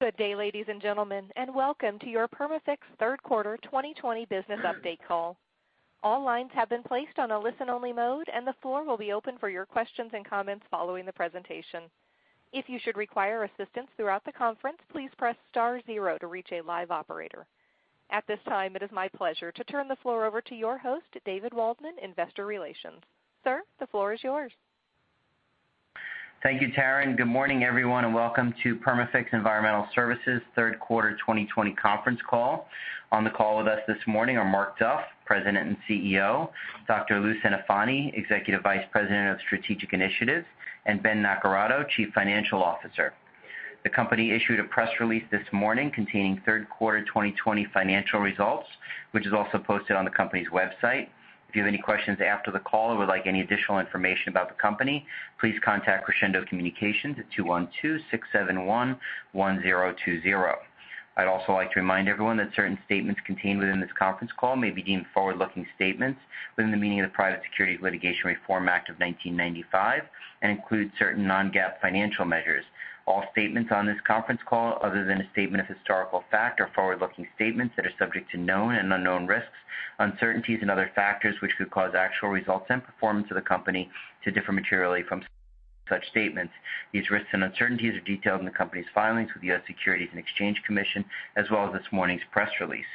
Good day, ladies and gentlemen, and welcome to your Perma-Fix third quarter 2020 business update call. All lines have been placed on a listen-only mode, and the floor will be open for your questions and comments following the presentation. If you should require assistance throughout the conference, please press star zero to reach a live operator. At this time, it is my pleasure to turn the floor over to your host, David Waldman, Investor Relations. Sir, the floor is yours. Thank you, Taryn. Good morning, everyone, and welcome to Perma-Fix Environmental Services' third quarter 2020 conference call. On the call with us this morning are Mark Duff, President and CEO, Dr. Louis Centofanti, Executive Vice President of Strategic Initiatives, and Ben Naccarato, Chief Financial Officer. The company issued a press release this morning containing third quarter 2020 financial results, which is also posted on the company's website. If you have any questions after the call or would like any additional information about the company, please contact Crescendo Communications at 212-671-1020. I'd also like to remind everyone that certain statements contained within this conference call may be deemed forward-looking statements within the meaning of the Private Securities Litigation Reform Act of 1995 and include certain non-GAAP financial measures. All statements on this conference call, other than a statement of historical fact, are forward-looking statements that are subject to known and unknown risks, uncertainties and other factors which could cause actual results and performance of the company to differ materially from such statements. These risks and uncertainties are detailed in the company's filings with the U.S. Securities and Exchange Commission, as well as this morning's press release.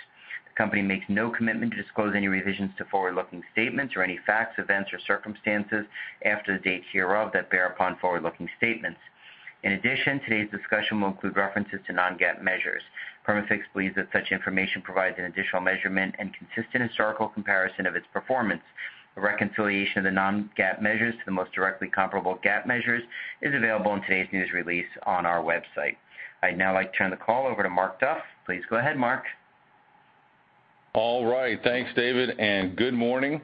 The company makes no commitment to disclose any revisions to forward-looking statements or any facts, events, or circumstances after the date hereof that bear upon forward-looking statements. In addition, today's discussion will include references to non-GAAP measures. Perma-Fix believes that such information provides an additional measurement and consistent historical comparison of its performance. A reconciliation of the non-GAAP measures to the most directly comparable GAAP measures is available in today's news release on our website. I'd now like to turn the call over to Mark Duff. Please go ahead, Mark. All right. Thanks, David, good morning.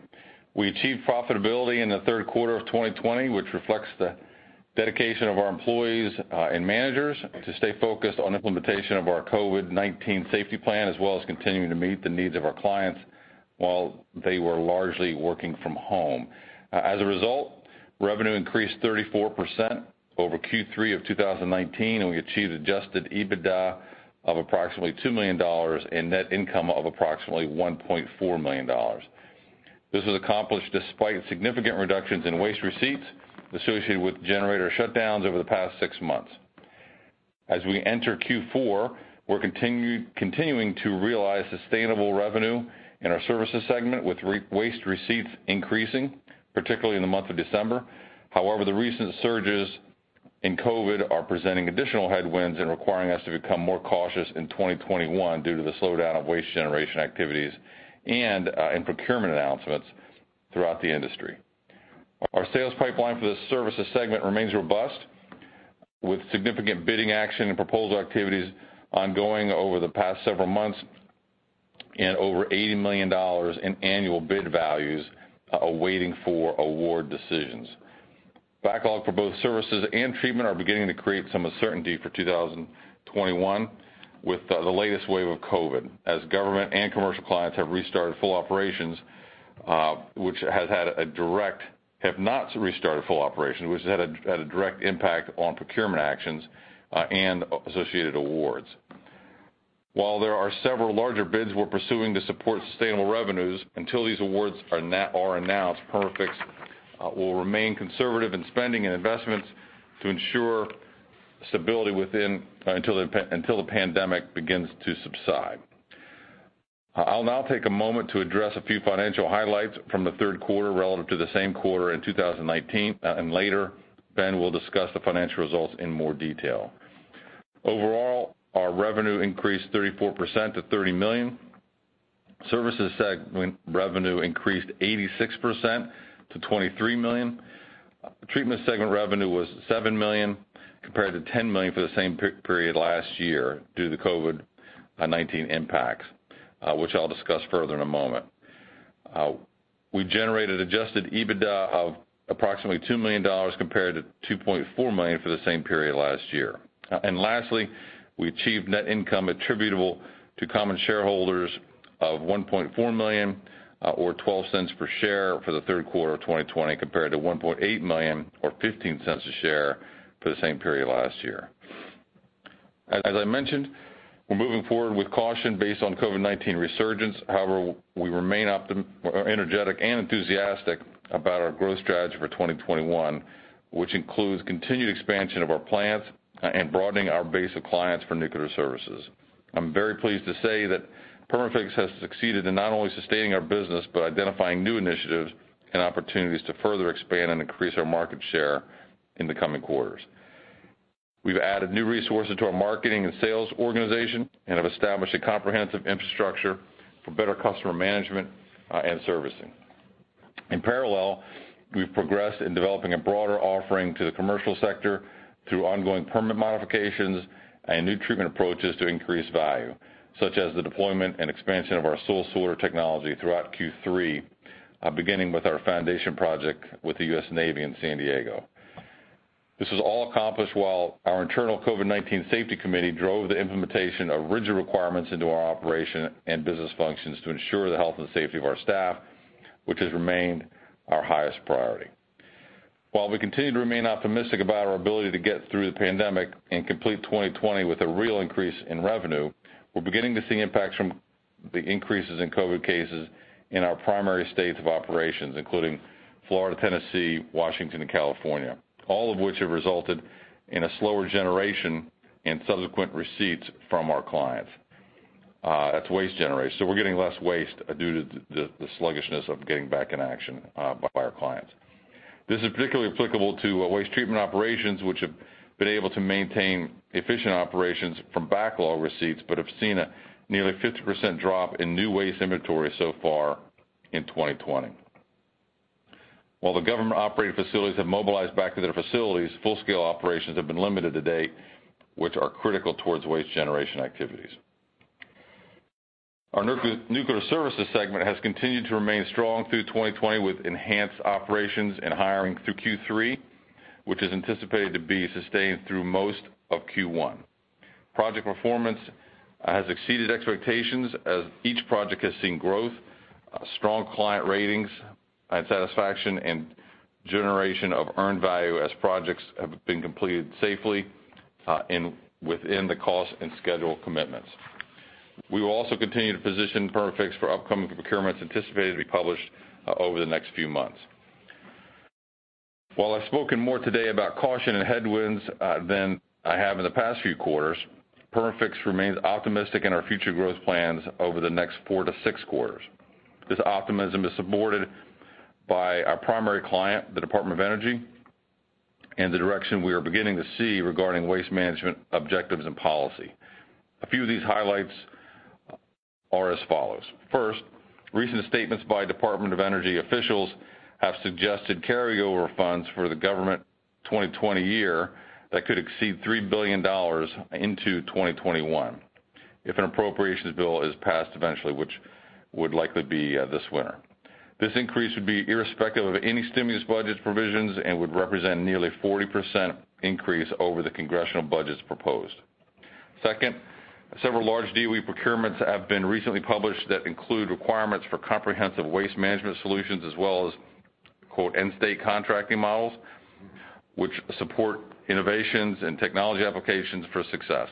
We achieved profitability in the third quarter of 2020, which reflects the dedication of our employees and managers to stay focused on implementation of our COVID-19 safety plan, as well as continuing to meet the needs of our clients while they were largely working from home. As a result, revenue increased 34% over Q3 of 2019, we achieved adjusted EBITDA of approximately $2 million and net income of approximately $1.4 million. This was accomplished despite significant reductions in waste receipts associated with generator shutdowns over the past six months. As we enter Q4, we're continuing to realize sustainable revenue in our services segment, with waste receipts increasing, particularly in the month of December. The recent surges in COVID-19 are presenting additional headwinds and requiring us to become more cautious in 2021 due to the slowdown of waste generation activities and in procurement announcements throughout the industry. Our sales pipeline for the services segment remains robust, with significant bidding action and proposal activities ongoing over the past several months and over $80 million in annual bid values awaiting for award decisions. Backlog for both services and treatment are beginning to create some uncertainty for 2021 with the latest wave of COVID-19, as government and commercial clients have not restarted full operations, which has had a direct impact on procurement actions and associated awards. While there are several larger bids we're pursuing to support sustainable revenues, until these awards are announced, Perma-Fix will remain conservative in spending and investments to ensure stability until the pandemic begins to subside. I'll now take a moment to address a few financial highlights from the third quarter relative to the same quarter in 2019. Later, Ben will discuss the financial results in more detail. Overall, our revenue increased 34% to $30 million. Services segment revenue increased 86% to $23 million. Treatment segment revenue was $7 million compared to $10 million for the same period last year due to the COVID-19 impacts, which I'll discuss further in a moment. We generated adjusted EBITDA of approximately $2 million compared to $2.4 million for the same period last year. Lastly, we achieved net income attributable to common shareholders of $1.4 million or $0.12 per share for the third quarter of 2020, compared to $1.8 million or $0.15 a share for the same period last year. As I mentioned, we're moving forward with caution based on COVID-19 resurgence. However, we remain energetic and enthusiastic about our growth strategy for 2021, which includes continued expansion of our plants and broadening our base of clients for nuclear services. I'm very pleased to say that Perma-Fix has succeeded in not only sustaining our business, but identifying new initiatives and opportunities to further expand and increase our market share in the coming quarters. We've added new resources to our marketing and sales organization and have established a comprehensive infrastructure for better customer management and servicing. In parallel, we've progressed in developing a broader offering to the commercial sector through ongoing permit modifications and new treatment approaches to increase value, such as the deployment and expansion of our Perma-Sort technology throughout Q3, beginning with our foundation project with the U.S. Navy in San Diego. This was all accomplished while our internal COVID-19 safety committee drove the implementation of rigid requirements into our operation and business functions to ensure the health and safety of our staff, which has remained our highest priority. We continue to remain optimistic about our ability to get through the pandemic and complete 2020 with a real increase in revenue, we're beginning to see impacts from the increases in COVID cases in our primary states of operations, including Florida, Tennessee, Washington, and California. All of which have resulted in a slower generation in subsequent receipts from our clients. That's waste generation. We're getting less waste due to the sluggishness of getting back in action by our clients. This is particularly applicable to waste treatment operations, which have been able to maintain efficient operations from backlog receipts, but have seen a nearly 50% drop in new waste inventory so far in 2020. While the government-operated facilities have mobilized back to their facilities, full-scale operations have been limited to date, which are critical towards waste generation activities. Our nuclear services segment has continued to remain strong through 2020 with enhanced operations and hiring through Q3, which is anticipated to be sustained through most of Q1. Project performance has exceeded expectations as each project has seen growth, strong client ratings and satisfaction, and generation of earned value as projects have been completed safely and within the cost and schedule commitments. We will also continue to position Perma-Fix for upcoming procurements anticipated to be published over the next few months. While I've spoken more today about caution and headwinds than I have in the past few quarters, Perma-Fix remains optimistic in our future growth plans over the next four to six quarters. This optimism is supported by our primary client, the Department of Energy, and the direction we are beginning to see regarding waste management objectives and policy. A few of these highlights are as follows. First, recent statements by Department of Energy officials have suggested carryover funds for the government 2020 year that could exceed $3 billion into 2021 if an appropriations bill is passed eventually, which would likely be this winter. This increase would be irrespective of any stimulus budget provisions and would represent nearly 40% increase over the congressional budgets proposed. Second, several large DOE procurements have been recently published that include requirements for comprehensive waste management solutions, as well as, quote, "end-state contracting models," which support innovations and technology applications for success.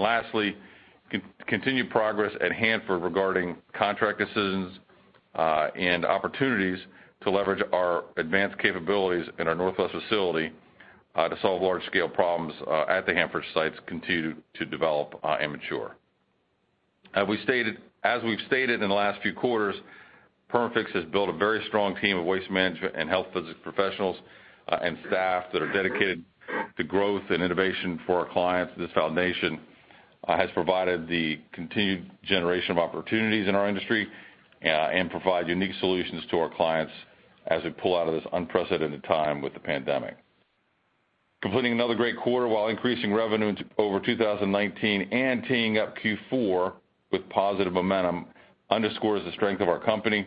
Lastly, continued progress at Hanford regarding contract decisions and opportunities to leverage our advanced capabilities in our Northwest facility to solve large-scale problems at the Hanford sites continue to develop and mature. As we've stated in the last few quarters, Perma-Fix has built a very strong team of waste management and health physics professionals and staff that are dedicated to growth and innovation for our clients. This foundation has provided the continued generation of opportunities in our industry and provide unique solutions to our clients as we pull out of this unprecedented time with the pandemic. Completing another great quarter while increasing revenue over 2019 and teeing up Q4 with positive momentum underscores the strength of our company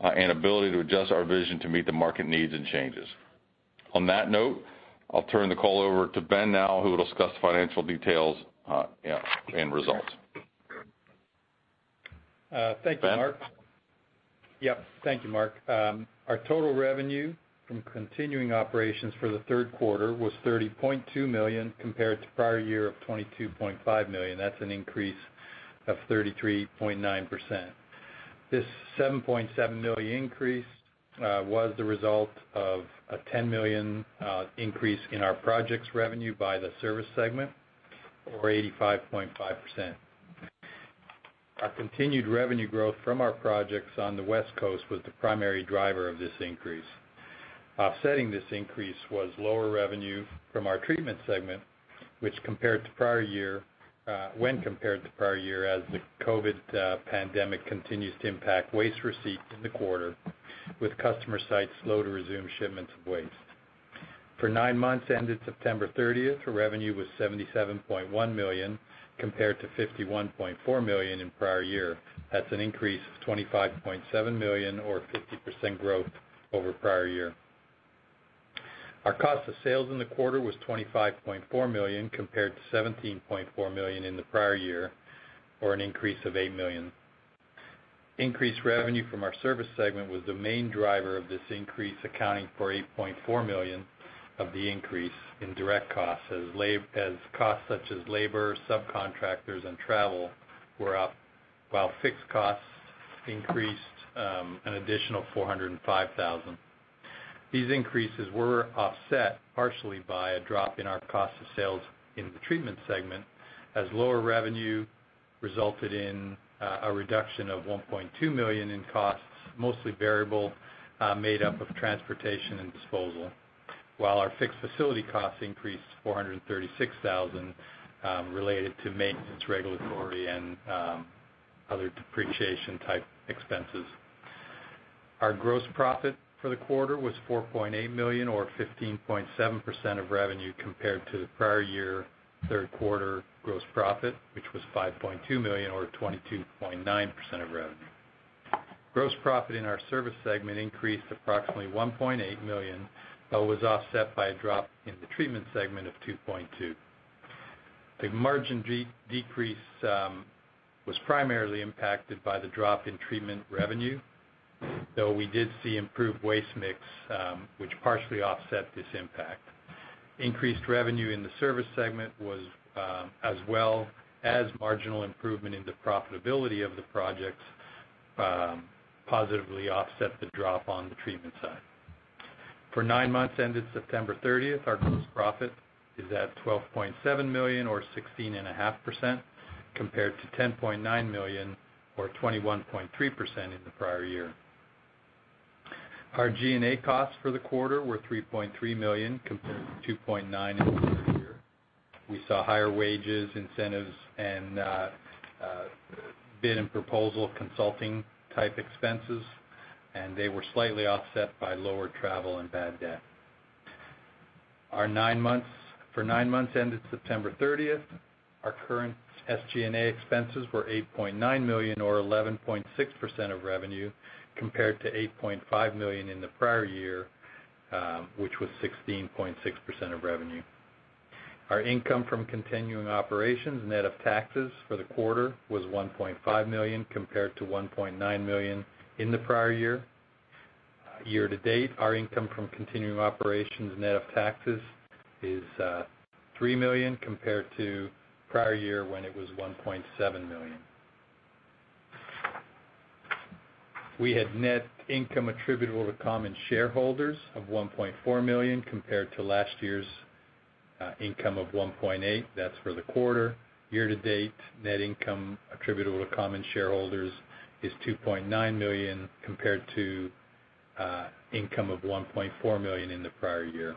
and ability to adjust our vision to meet the market needs and changes. On that note, I'll turn the call over to Ben now, who will discuss the financial details and results. Ben? Thank you, Mark. Yep. Thank you, Mark. Our total revenue from continuing operations for the third quarter was $30.2 million compared to prior year of $22.5 million. That's an increase of 33.9%. This $7.7 million increase was the result of a $10 million increase in our projects revenue by the service segment, or 85.5%. Our continued revenue growth from our projects on the West Coast was the primary driver of this increase. Offsetting this increase was lower revenue from our treatment segment, when compared to prior year as the COVID pandemic continues to impact waste receipts in the quarter with customer sites slow to resume shipments of waste. For nine months ended September 30th, our revenue was $77.1 million, compared to $51.4 million in prior year. That's an increase of $25.7 million or 50% growth over prior year. Our cost of sales in the quarter was $25.4 million compared to $17.4 million in the prior year, or an increase of $8 million. Increased revenue from our service segment was the main driver of this increase, accounting for $8.4 million of the increase in direct costs as costs such as labor, subcontractors, and travel were up while fixed costs increased an additional $405,000. These increases were offset partially by a drop in our cost of sales in the treatment segment as lower revenue resulted in a reduction of $1.2 million in costs, mostly variable, made up of transportation and disposal. While our fixed facility costs increased $436,000 related to maintenance, regulatory, and other depreciation type expenses. Our gross profit for the quarter was $4.8 million or 15.7% of revenue compared to the prior year third quarter gross profit, which was $5.2 million or 22.9% of revenue. Gross profit in our service segment increased approximately $1.8 million, but was offset by a drop in the treatment segment of $2.2 million. The margin decrease was primarily impacted by the drop in treatment revenue, though we did see improved waste mix, which partially offset this impact. Increased revenue in the service segment, as well as marginal improvement in the profitability of the projects, positively offset the drop on the treatment side. For nine months ended September 30th, our gross profit is at $12.7 million, or 16.5%, compared to $10.9 million, or 21.3%, in the prior year. Our G&A costs for the quarter were $3.3 million compared to $2.9 million in the prior year. We saw higher wages, incentives, and bid and proposal consulting type expenses, and they were slightly offset by lower travel and bad debt. For nine months ended September 30th, our current SG&A expenses were $8.9 million, or 11.6% of revenue, compared to $8.5 million in the prior year, which was 16.6% of revenue. Our income from continuing operations net of taxes for the quarter was $1.5 million, compared to $1.9 million in the prior year. Year to date, our income from continuing operations net of taxes is $3 million compared to prior year when it was $1.7 million. We had net income attributable to common shareholders of $1.4 million, compared to last year's income of $1.8. That's for the quarter. Year to date, net income attributable to common shareholders is $2.9 million compared to income of $1.4 million in the prior year.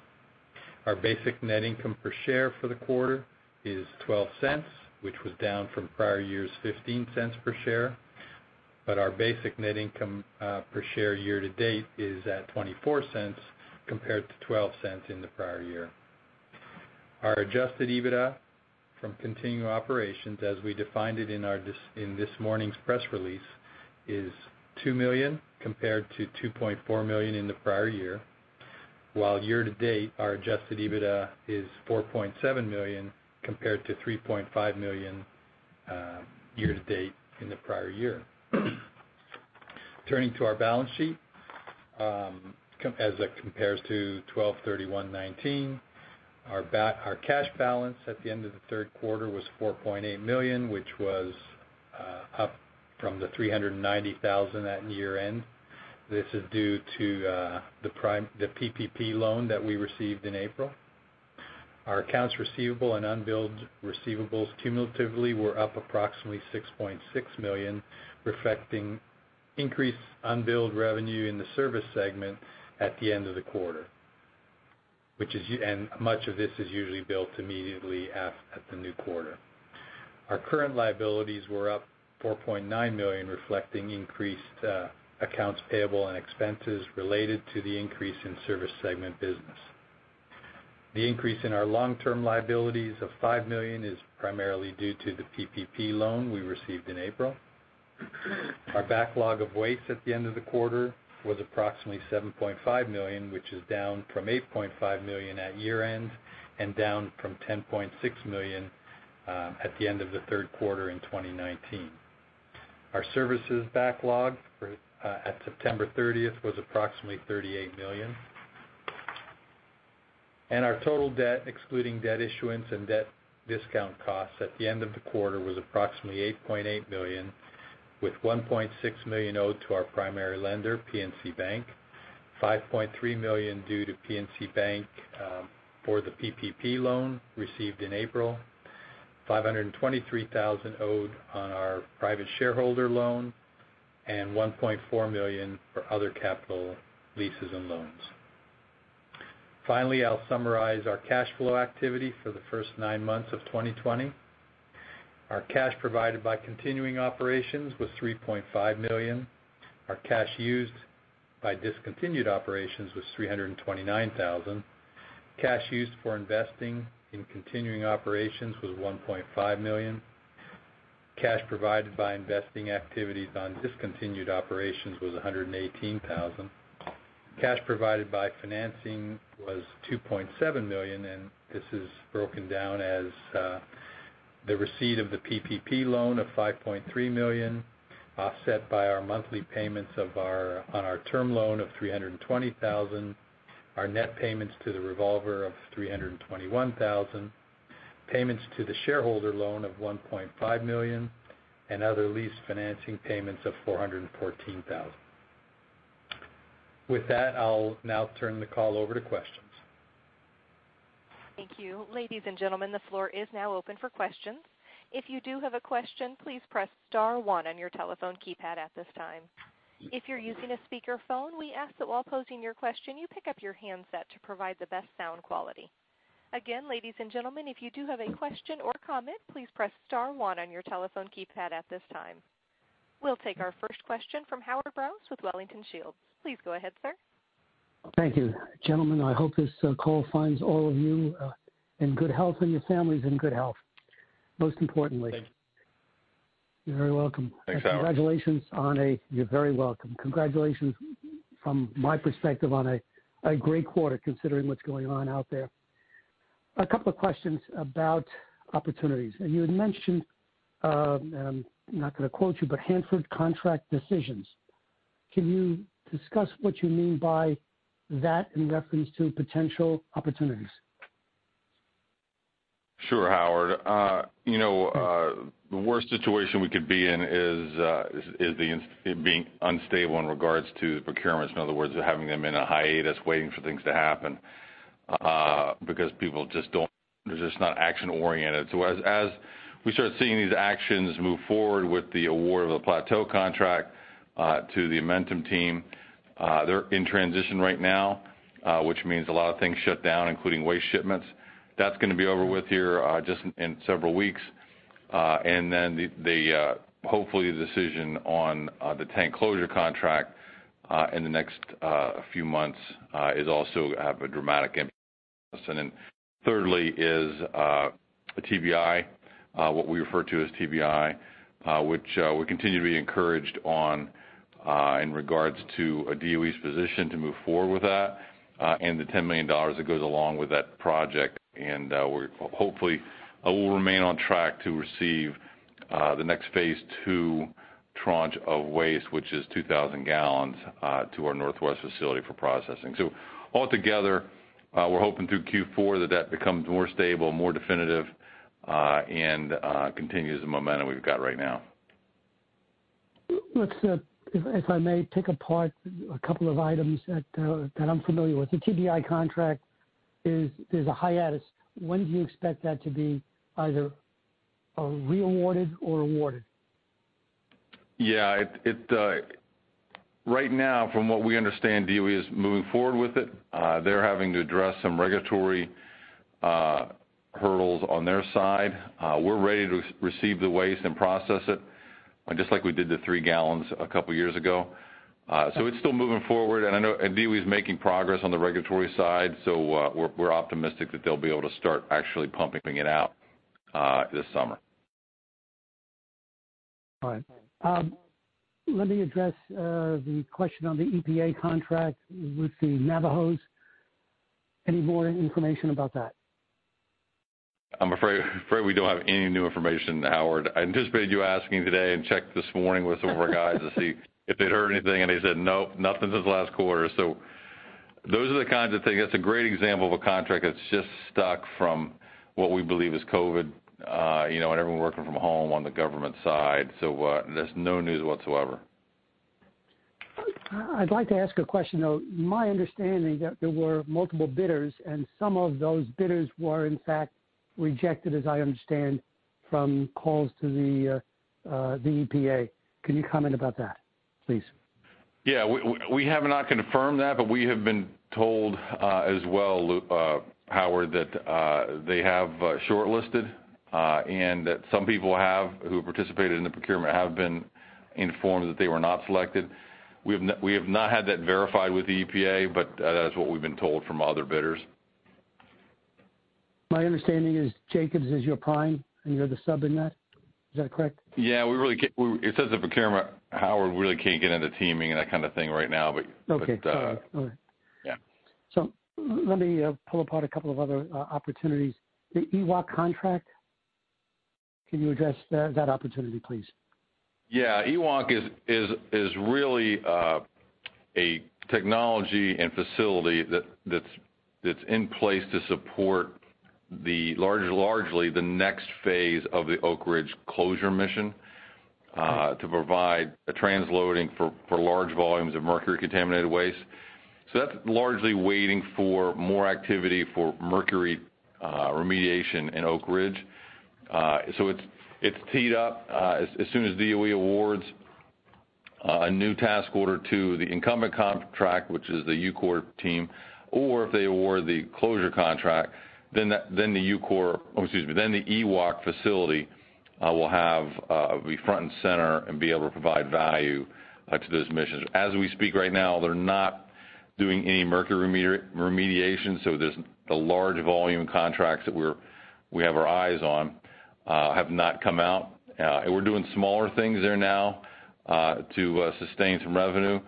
Our basic net income per share for the quarter is $0.12, which was down from prior year's $0.15 per share. Our basic net income per share year-to-date is at $0.24 compared to $0.12 in the prior year. Our adjusted EBITDA from continuing operations, as we defined it in this morning's press release, is $2 million compared to $2.4 million in the prior year. While year-to-date, our adjusted EBITDA is $4.7 million compared to $3.5 million year-to-date in the prior year. Turning to our balance sheet as it compares to 12/31/2019. Our cash balance at the end of the third quarter was $4.8 million, which was up from the $390,000 at year-end. This is due to the PPP loan that we received in April. Our accounts receivable and unbilled receivables cumulatively were up approximately $6.6 million, reflecting increased unbilled revenue in the Service segment at the end of the quarter. Much of this is usually billed immediately at the new quarter. Our current liabilities were up $4.9 million, reflecting increased accounts payable and expenses related to the increase in Service segment business. The increase in our long-term liabilities of $5 million is primarily due to the PPP loan we received in April. Our backlog of waste at the end of the quarter was approximately $7.5 million, which is down from $8.5 million at year-end, and down from $10.6 million at the end of the third quarter in 2019. Our services backlog at September 30th was approximately $38 million. Our total debt, excluding debt issuance and debt discount costs, at the end of the quarter was approximately $8.8 million, with $1.6 million owed to our primary lender, PNC Bank, $5.3 million due to PNC Bank for the PPP loan received in April, $523,000 owed on our private shareholder loan, and $1.4 million for other capital leases and loans. Finally, I'll summarize our cash flow activity for the first nine months of 2020. Our cash provided by continuing operations was $3.5 million. Our cash used by discontinued operations was $329,000. Cash used for investing in continuing operations was $1.5 million. Cash provided by investing activities on discontinued operations was $118,000. Cash provided by financing was $2.7 million, and this is broken down as the receipt of the PPP loan of $5.3 million, offset by our monthly payments on our term loan of $320,000, our net payments to the revolver of $321,000, payments to the shareholder loan of $1.5 million, and other lease financing payments of $414,000. With that, I'll now turn the call over to questions. Thank you. Ladies and gentlemen, the floor is now open for questions. If you do have a question, please press star one on your telephone keypad at this time. If you're using a speakerphone, we ask that while posing your question, you pick up your handset to provide the best sound quality. Again, ladies and gentlemen, if you do have a question or comment, please press star one on your telephone keypad at this time. We'll take our first question from Howard Brous with Wellington Shields. Please go ahead, sir. Thank you. Gentlemen, I hope this call finds all of you in good health and your families in good health. Most importantly. Thank you. You're very welcome. Thanks, Howard. You're very welcome. Congratulations from my perspective on a great quarter, considering what's going on out there. A couple of questions about opportunities. You had mentioned, I'm not going to quote you, but Hanford contract decisions. Can you discuss what you mean by that in reference to potential opportunities? Sure, Howard. The worst situation we could be in is it being unstable in regards to the procurements. In other words, having them in a hiatus, waiting for things to happen, because people they're just not action-oriented. As we start seeing these actions move forward with the award of the Plateau contract, to the Amentum team, they're in transition right now, which means a lot of things shut down, including waste shipments. That's going to be over with here just in several weeks. Hopefully the decision on the tank closure contract in the next few months is also have a dramatic impact on us. Thirdly is TBI, what we refer to as TBI, which we continue to be encouraged on, in regards to DOE's position to move forward with that, and the $10 million that goes along with that project. Hopefully, we'll remain on track to receive the next phase II tranche of waste, which is 2,000 gallons, to our Northwest facility for processing. Altogether, we're hoping through Q4 that becomes more stable, more definitive, and continues the momentum we've got right now. Let's, if I may pick apart a couple of items that I'm familiar with. The TBI contract is a hiatus. When do you expect that to be either re-awarded or awarded? Yeah. Right now from what we understand, DOE is moving forward with it. They're having to address some regulatory hurdles on their side. We're ready to receive the waste and process it, just like we did the three gallons a couple of years ago. It's still moving forward and I know DOE is making progress on the regulatory side, so we're optimistic that they'll be able to start actually pumping it out this summer. All right. Let me address the question on the EPA contract with the Navajos. Any more information about that? I'm afraid we don't have any new information, Howard. I anticipated you asking today and checked this morning with some of our guys to see if they'd heard anything, and they said, "Nope, nothing since last quarter." Those are the kinds of things, that's a great example of a contract that's just stuck from what we believe is COVID, and everyone working from home on the government side. There's no news whatsoever. I'd like to ask a question, though. My understanding that there were multiple bidders and some of those bidders were in fact rejected, as I understand from calls to the EPA. Can you comment about that, please? Yeah. We have not confirmed that, but we have been told, as well, Howard, that they have shortlisted, and that some people who have participated in the procurement have been informed that they were not selected. We have not had that verified with the EPA. That is what we've been told from other bidders. My understanding is Jacobs is your prime and you're the sub in that. Is that correct? Yeah. It says the procurement, Howard, we really can't get into teaming and that kind of thing right now. Okay. All right. yeah. Let me pull apart a couple of other opportunities. The EWOC contract, can you address that opportunity, please? Yeah. EWOC is really a technology and facility that's in place to support largely the next phase of the Oak Ridge closure mission, to provide a transloading for large volumes of mercury-contaminated waste. That's largely waiting for more activity for mercury remediation in Oak Ridge. It's teed up. As soon as DOE awards a new task order to the incumbent contract, which is the UCOR team, or if they award the closure contract, then the EWOC facility will be front and center and be able to provide value to those missions. As we speak right now, they're not doing any mercury remediation, the large volume contracts that we have our eyes on have not come out. We're doing smaller things there now to sustain some revenue,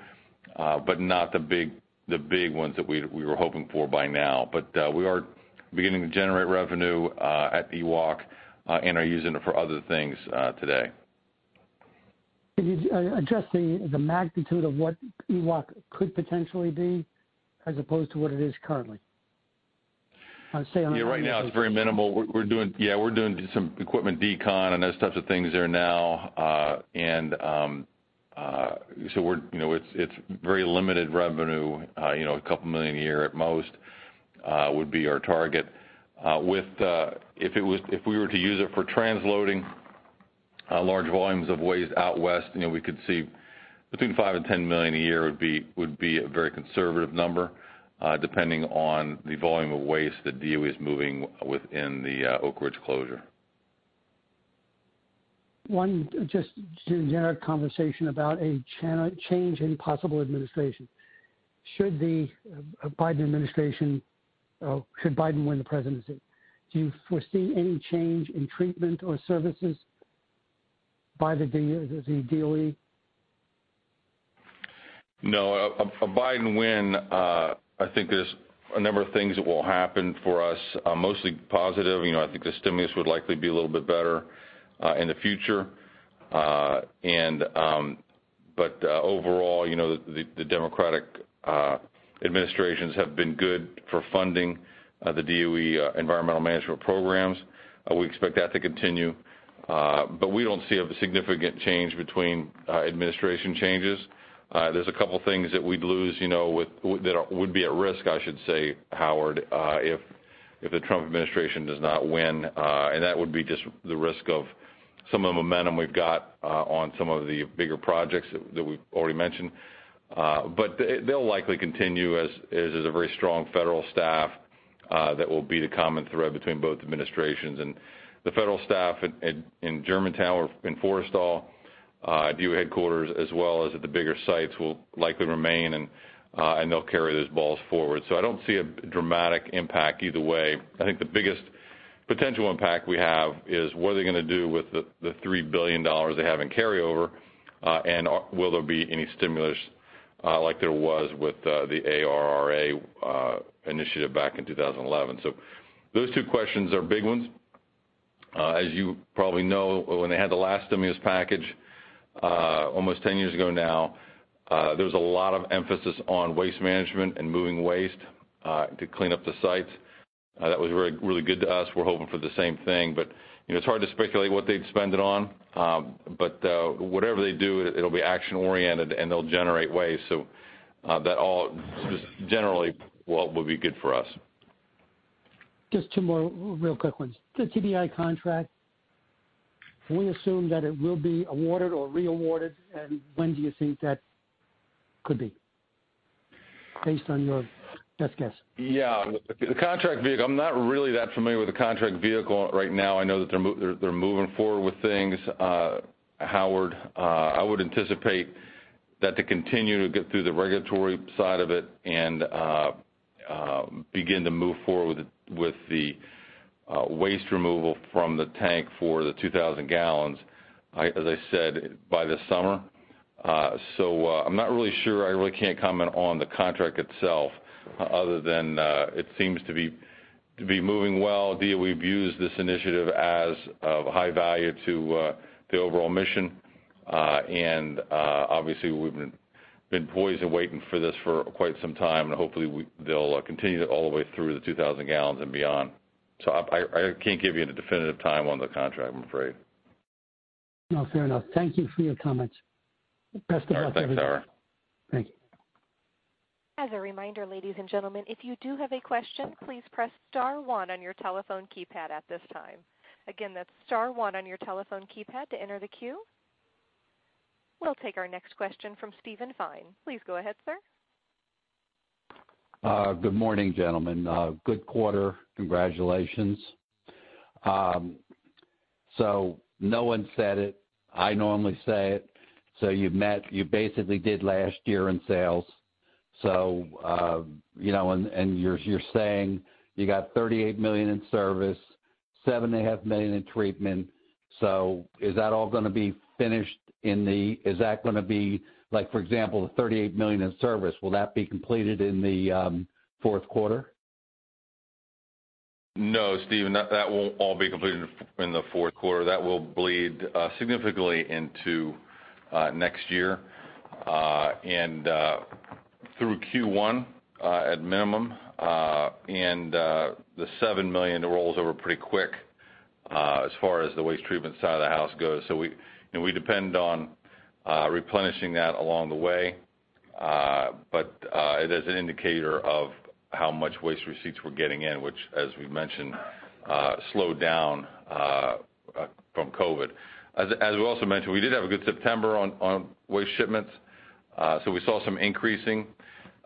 not the big ones that we were hoping for by now. We are beginning to generate revenue at EWOC, and are using it for other things today. Can you address the magnitude of what EWOC could potentially be as opposed to what it is currently? Say on a percentage. Yeah, right now it's very minimal. We're doing some equipment decon and those types of things there now. It's very limited revenue, a couple million dollars a year at most, would be our target. If we were to use it for transloading large volumes of waste out west, we could see between $5 million and $10 million a year would be a very conservative number, depending on the volume of waste that DOE is moving within the Oak Ridge closure. One just generic conversation about a change in possible administration. Should the Biden administration, or should Biden win the presidency, do you foresee any change in treatment or services by the DOE? A Biden win, I think there's a number of things that will happen for us, mostly positive. Overall, the Democratic administrations have been good for funding the DOE environmental management programs. We expect that to continue. We don't see a significant change between administration changes. There's a couple things that we'd lose, that would be at risk, I should say, Howard, if the Trump administration does not win. That would be just the risk of some of the momentum we've got on some of the bigger projects that we've already mentioned. They'll likely continue, as there's a very strong federal staff that will be the common thread between both administrations. The federal staff in Germantown or in Forrestal, DOE headquarters, as well as at the bigger sites, will likely remain and they'll carry those balls forward. I don't see a dramatic impact either way. I think the biggest potential impact we have is what are they going to do with the $3 billion they have in carryover, and will there be any stimulus like there was with the ARRA initiative back in 2011? Those two questions are big ones. As you probably know, when they had the last stimulus package, almost 10 years ago now, there was a lot of emphasis on waste management and moving waste to clean up the sites. That was really good to us. We're hoping for the same thing. It's hard to speculate what they'd spend it on. Whatever they do, it'll be action-oriented, and they'll generate waste. That all just generally will be good for us. Just two more real quick ones. The TBI contract, can we assume that it will be awarded or re-awarded, and when do you think that could be, based on your best guess? Yeah. The contract vehicle, I'm not really that familiar with the contract vehicle right now. I know that they're moving forward with things. Howard, I would anticipate that to continue to get through the regulatory side of it and begin to move forward with the waste removal from the tank for the 2,000 gallons, as I said, by the summer. I'm not really sure. I really can't comment on the contract itself other than it seems to be moving well. DOE views this initiative as of high value to the overall mission. Obviously, we've been poised and waiting for this for quite some time, and hopefully they'll continue it all the way through the 2,000 gallons and beyond. I can't give you the definitive time on the contract, I'm afraid. No, fair enough. Thank you for your comments. Best of luck to you guys. All right. Thanks, Howard. Thank you. As a reminder, ladies and gentlemen, if you do have a question, please press star one on your telephone keypad at this time. Again, that's star one on your telephone keypad to enter the queue. We'll take our next question from Steven Fine. Please go ahead, sir. Good morning, gentlemen. Good quarter. Congratulations. No one said it. I normally say it. You basically did last year in sales. You're saying you got $38 million in service, $7.5 million in treatment. Is that going to be, for example, the $38 million in service, will that be completed in the fourth quarter? No, Steven, that won't all be completed in the fourth quarter. That will bleed significantly into next year and through Q1 at minimum. The $7 million rolls over pretty quick as far as the waste treatment side of the house goes. We depend on replenishing that along the way. It is an indicator of how much waste receipts we're getting in, which as we mentioned, slowed down from COVID. As we also mentioned, we did have a good September on waste shipments, so we saw some increasing.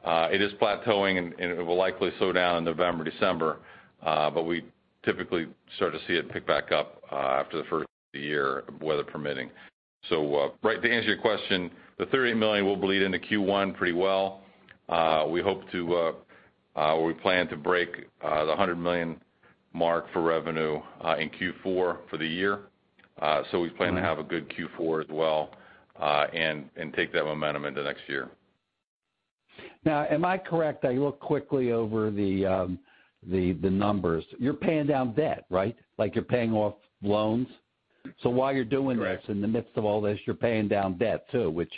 It is plateauing, and it will likely slow down in November, December. We typically start to see it pick back up after the first of the year, weather permitting. Right, to answer your question, the $38 million will bleed into Q1 pretty well. We plan to break the 100 million mark for revenue in Q4 for the year. We plan to have a good Q4 as well and take that momentum into next year. Am I correct? I looked quickly over the numbers. You're paying down debt, right? Like you're paying off loans? While you're doing this. Correct in the midst of all this, you're paying down debt, too, which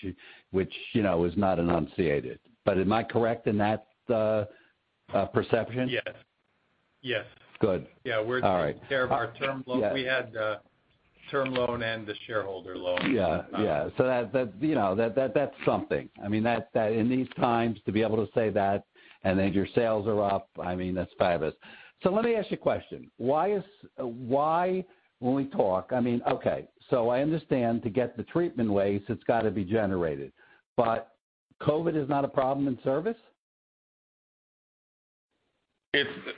is not enunciated. Am I correct in that perception? Yes. Good. Yeah. All right. We're taking care of our term loan. Yeah. We had the term loan and the shareholder loan. Yeah. That's something. I mean, in these times, to be able to say that, and then your sales are up, I mean, that's fabulous. Let me ask you a question. When we talk, I mean, okay, so I understand to get the treatment waste, it's got to be generated. COVID is not a problem in service?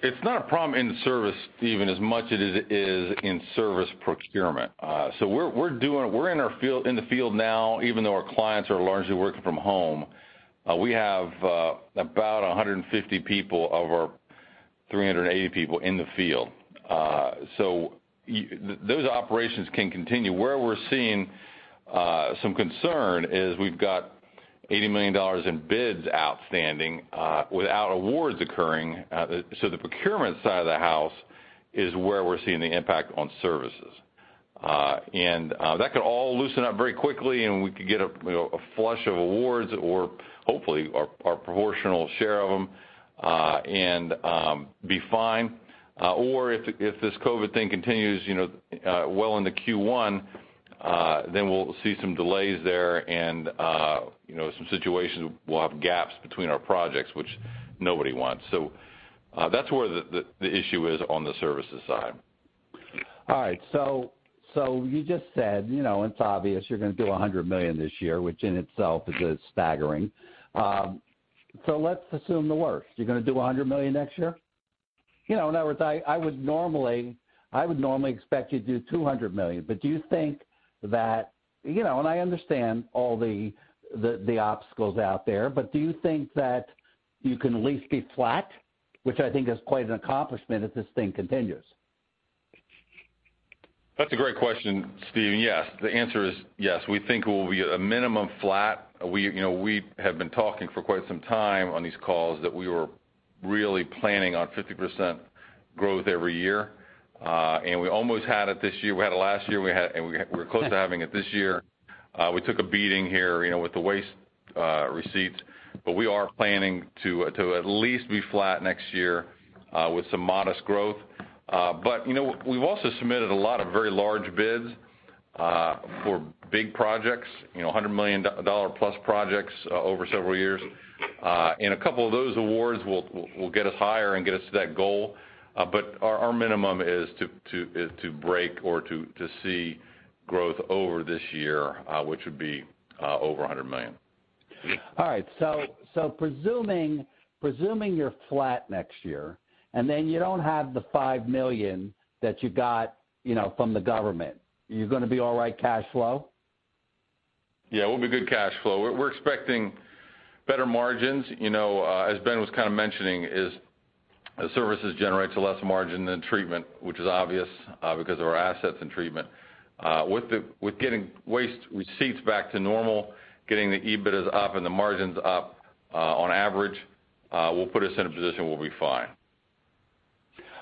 It's not a problem in service, Steven, as much as it is in service procurement. We're in the field now, even though our clients are largely working from home. We have about 150 people of our 380 people in the field. Those operations can continue. Where we're seeing some concern is we've got $80 million in bids outstanding without awards occurring. The procurement side of the house is where we're seeing the impact on services. That could all loosen up very quickly, and we could get a flush of awards or, hopefully, our proportional share of them, and be fine. If this COVID thing continues well into Q1, then we'll see some delays there and some situations we'll have gaps between our projects, which nobody wants. That's where the issue is on the services side. All right. You just said, it's obvious you're going to do $100 million this year, which in itself is just staggering. Let's assume the worst. You're going to do $100 million next year? In other words, I would normally expect you to do $200 million. I understand all the obstacles out there, but do you think that you can at least be flat, which I think is quite an accomplishment if this thing continues? That's a great question, Steven. Yes. The answer is yes. We think we'll be a minimum flat. We have been talking for quite some time on these calls that we were really planning on 50% growth every year. We almost had it this year. We had it last year, and we're close to having it this year. We took a beating here with the waste receipts, we are planning to at least be flat next year with some modest growth. We've also submitted a lot of very large bids for big projects, $100 million-plus projects over several years. A couple of those awards will get us higher and get us to that goal. Our minimum is to break or to see growth over this year, which would be over $100 million. All right. Presuming you're flat next year, and then you don't have the $5 million that you got from the Government, are you going to be all right cash flow? Yeah, we'll be good cash flow. We're expecting better margins. As Ben was kind of mentioning is services generates less margin than treatment, which is obvious because of our assets in treatment. With getting waste receipts back to normal, getting the EBITDAs up and the margins up on average will put us in a position we'll be fine.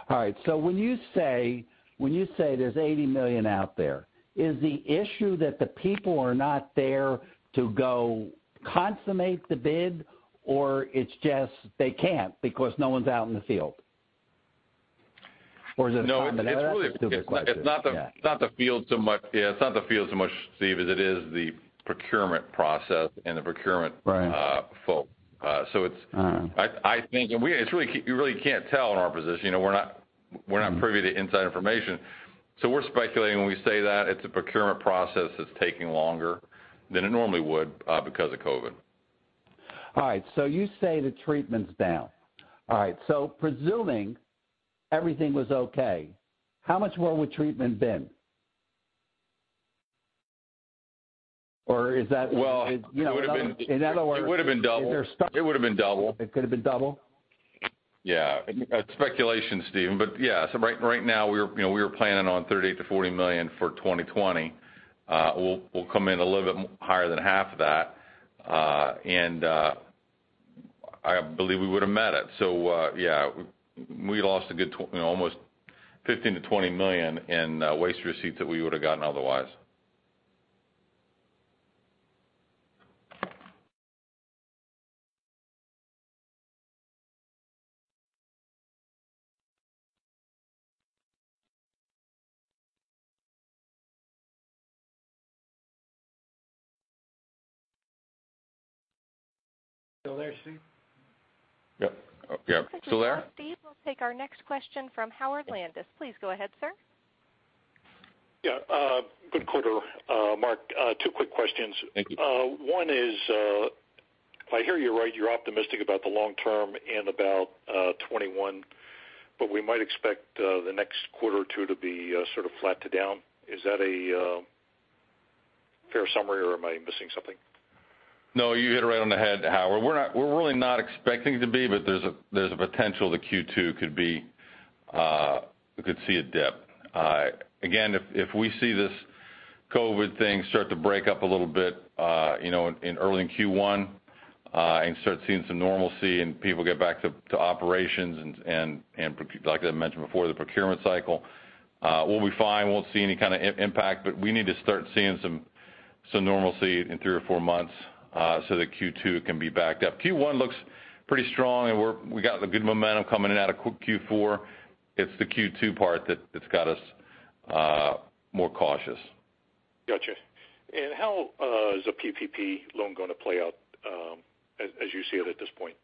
All right. When you say there's $80 million out there, is the issue that the people are not there to go consummate the bid or it's just they can't because no one's out in the field? Is it something else? Stupid question. It's not the field so much, Steve, as it is the procurement process and the procurement folks. All right. You really can't tell in our position. We're not privy to inside information, so we're speculating when we say that. It's a procurement process that's taking longer than it normally would because of COVID. All right. You say the treatment's down. All right. Presuming everything was okay, how much more would treatment been? Well, it would've been- In other words- It would've been double. Is there? It would've been double. It could've been double? Yeah. It's speculation, Steven, but yeah. Right now, we were planning on $30 million to $40 million for 2020. We'll come in a little bit higher than half of that. I believe we would've met it. Yeah, we lost a good almost $15 million to $20 million in waste receipts that we would've gotten otherwise. Still there, Steve? Yep. You still there? Steve, we'll take our next question from Howard Landis. Please go ahead, sir. Yeah. Good quarter, Mark. Two quick questions. Thank you. One is I hear you're optimistic about the long term and about 2021, but we might expect the next quarter or two to be sort of flat to down. Is that a fair summary or am I missing something? No, you hit it right on the head, Howard. We're really not expecting to be, but there's a potential that Q2 could see a dip. Again, if we see this COVID thing start to break up a little bit in early Q1 and start seeing some normalcy and people get back to operations and, like I mentioned before, the procurement cycle, we'll be fine. Won't see any kind of impact, but we need to start seeing some normalcy in three or four months so that Q2 can be backed up. Q1 looks pretty strong, and we got a good momentum coming out of Q4. It's the Q2 part that's got us more cautious. Gotcha. How is the PPP loan going to play out as you see it at this point?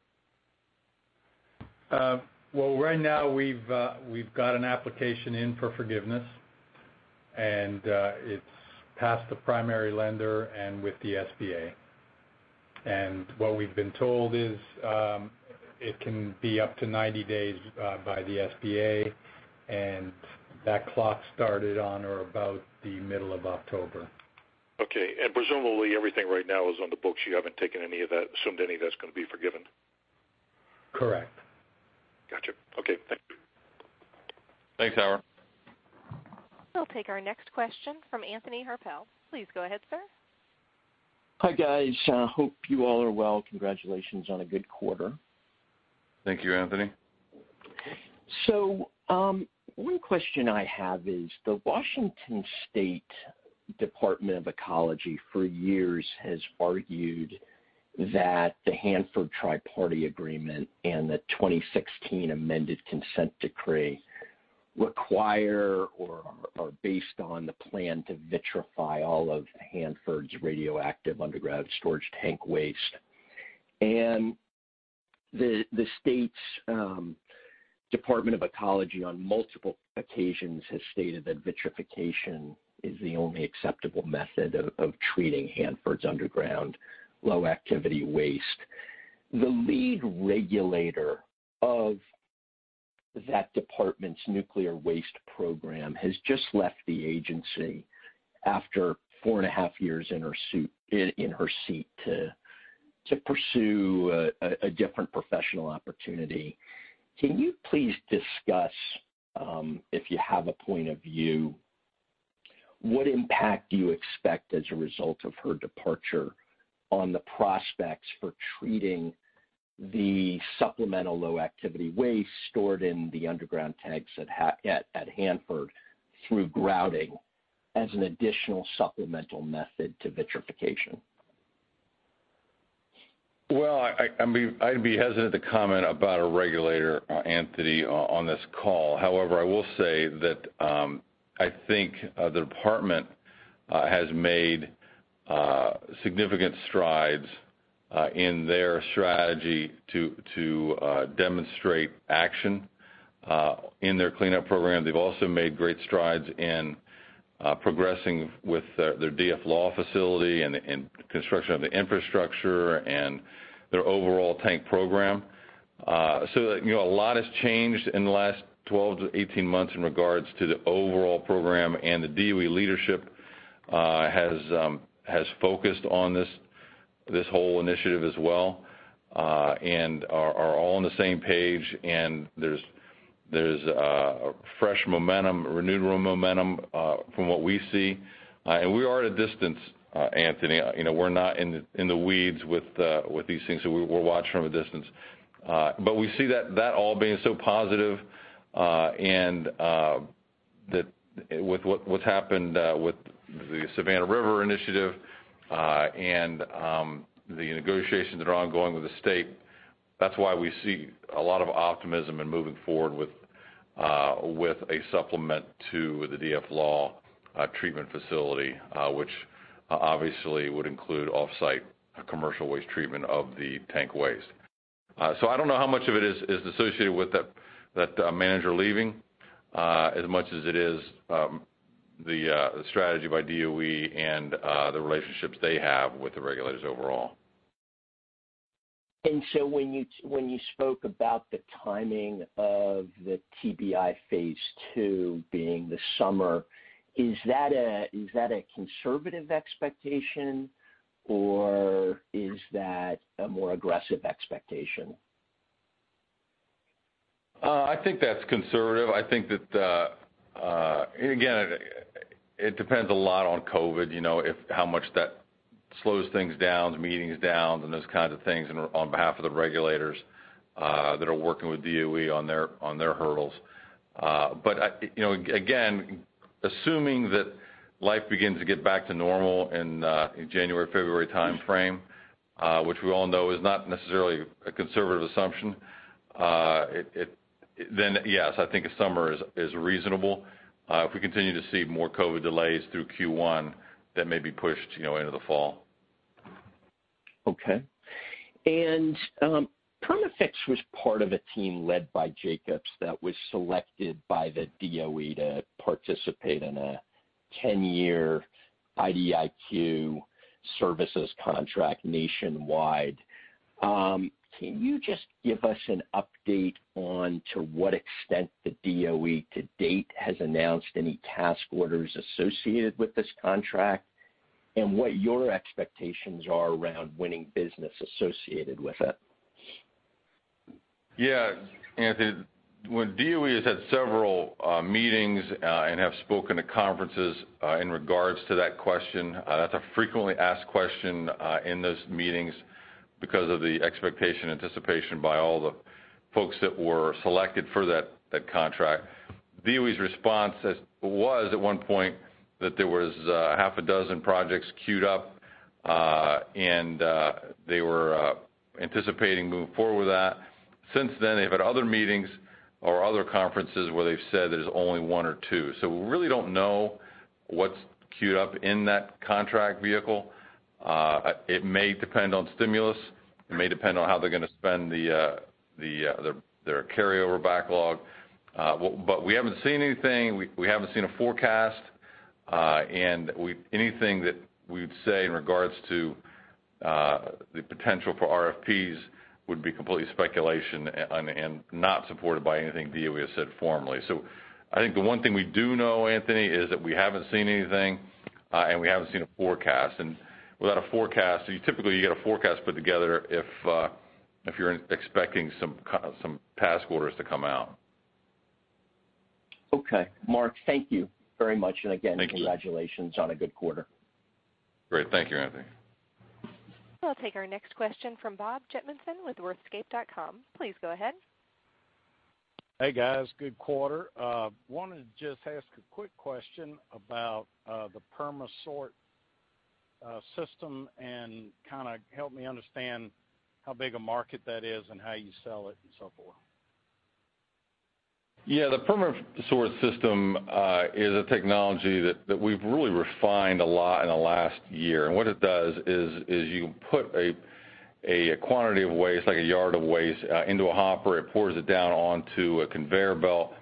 Well, right now we've got an application in for forgiveness, and it's past the primary lender and with the SBA. What we've been told is, it can be up to 90 days by the SBA, and that clock started on or about the middle of October. Okay. Presumably everything right now is on the books. You haven't taken any of that, assumed any of that's going to be forgiven. Correct. Got you. Okay. Thank you. Thanks, Howard. We'll take our next question from Anthony Harpel. Please go ahead, sir. Hi, guys. Hope you all are well. Congratulations on a good quarter. Thank you, Anthony. One question I have is, the Washington State Department of Ecology for years has argued that the Hanford Tri-Party Agreement and the 2016 amended consent decree require or are based on the plan to vitrify all of Hanford's radioactive underground storage tank waste. The State's Department of Ecology on multiple occasions has stated that vitrification is the only acceptable method of treating Hanford's underground low-activity waste. The lead regulator of that Department's nuclear waste program has just left the agency after four and a half years in her seat to pursue a different professional opportunity. Can you please discuss, if you have a point of view, what impact do you expect as a result of her departure on the prospects for treating the supplemental low-activity waste stored in the underground tanks at Hanford through grouting as an additional supplemental method to vitrification? Well, I'd be hesitant to comment about a regulator, Anthony, on this call. I will say that, I think, the department has made significant strides, in their strategy to demonstrate action, in their cleanup program. They've also made great strides in progressing with their DFLAW facility and construction of the infrastructure and their overall tank program. A lot has changed in the last 12-18 months in regards to the overall program, and the DOE leadership has focused on this whole initiative as well, and are all on the same page. There's fresh momentum, renewable momentum, from what we see. We are at a distance, Anthony. We're not in the weeds with these things, so we watch from a distance. We see that all being so positive, and with what's happened with the Savannah River initiative, and the negotiations that are ongoing with the state. That's why we see a lot of optimism in moving forward with a supplement to the DFLAW treatment facility, which obviously would include offsite commercial waste treatment of the tank waste. I don't know how much of it is associated with that manager leaving, as much as it is the strategy by DOE and the relationships they have with the regulators overall. When you spoke about the timing of the TBI phase II being the summer, is that a conservative expectation or is that a more aggressive expectation? I think that's conservative. I think that, again, it depends a lot on COVID, how much that slows things down, meetings down, and those kinds of things on behalf of the regulators that are working with DOE on their hurdles. Again, assuming that life begins to get back to normal in January, February timeframe, which we all know is not necessarily a conservative assumption, then yes, I think summer is reasonable. If we continue to see more COVID delays through Q1, that may be pushed into the fall. Okay. Perma-Fix was part of a team led by Jacobs that was selected by the DOE to participate in a 10-year IDIQ services contract nationwide. Can you just give us an update on to what extent the DOE to date has announced any task orders associated with this contract and what your expectations are around winning business associated with it? Yeah. Anthony, DOE has had several meetings, and have spoken at conferences, in regards to that question. That's a frequently asked question in those meetings because of the expectation, anticipation by all the folks that were selected for that contract. DOE's response was at one point that there was half a dozen projects queued up, and they were anticipating moving forward with that. Since then, they've had other meetings or other conferences where they've said there's only one or two. We really don't know what's queued up in that contract vehicle. It may depend on stimulus. It may depend on how they're going to spend their carryover backlog. We haven't seen anything. We haven't seen a forecast. Anything that we would say in regards to the potential for RFPs would be completely speculation and not supported by anything DOE has said formally. I think the one thing we do know, Anthony, is that we haven't seen anything, and we haven't seen a forecast. Without a forecast, typically, you get a forecast put together if you're expecting some task orders to come out. Okay. Mark, thank you very much. Thank you. Again, congratulations on a good quarter. Great. Thank you, Anthony. We'll take our next question from Bobbo Jetmundsen with Worthscape. Please go ahead. Hey, guys. Good quarter. Wanted to just ask a quick question about the Perma-Sort system and kind of help me understand how big a market that is and how you sell it and so forth. Yeah. The Perma-Sort system is a technology that we've really refined a lot in the last year. What it does is you put a quantity of waste, like a yard of waste, into a hopper. It pours it down onto a conveyor belt.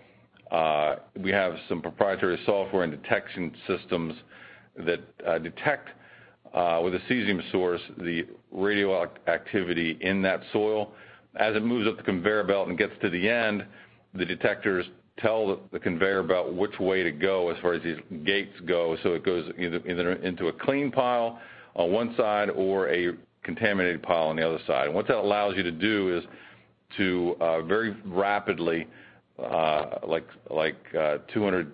We have some proprietary software and detection systems that detect, with a cesium source, the radioactivity in that soil. As it moves up the conveyor belt and gets to the end, the detectors tell the conveyor belt which way to go as far as these gates go. It goes into a clean pile on one side or a contaminated pile on the other side. What that allows you to do is to very rapidly, like 200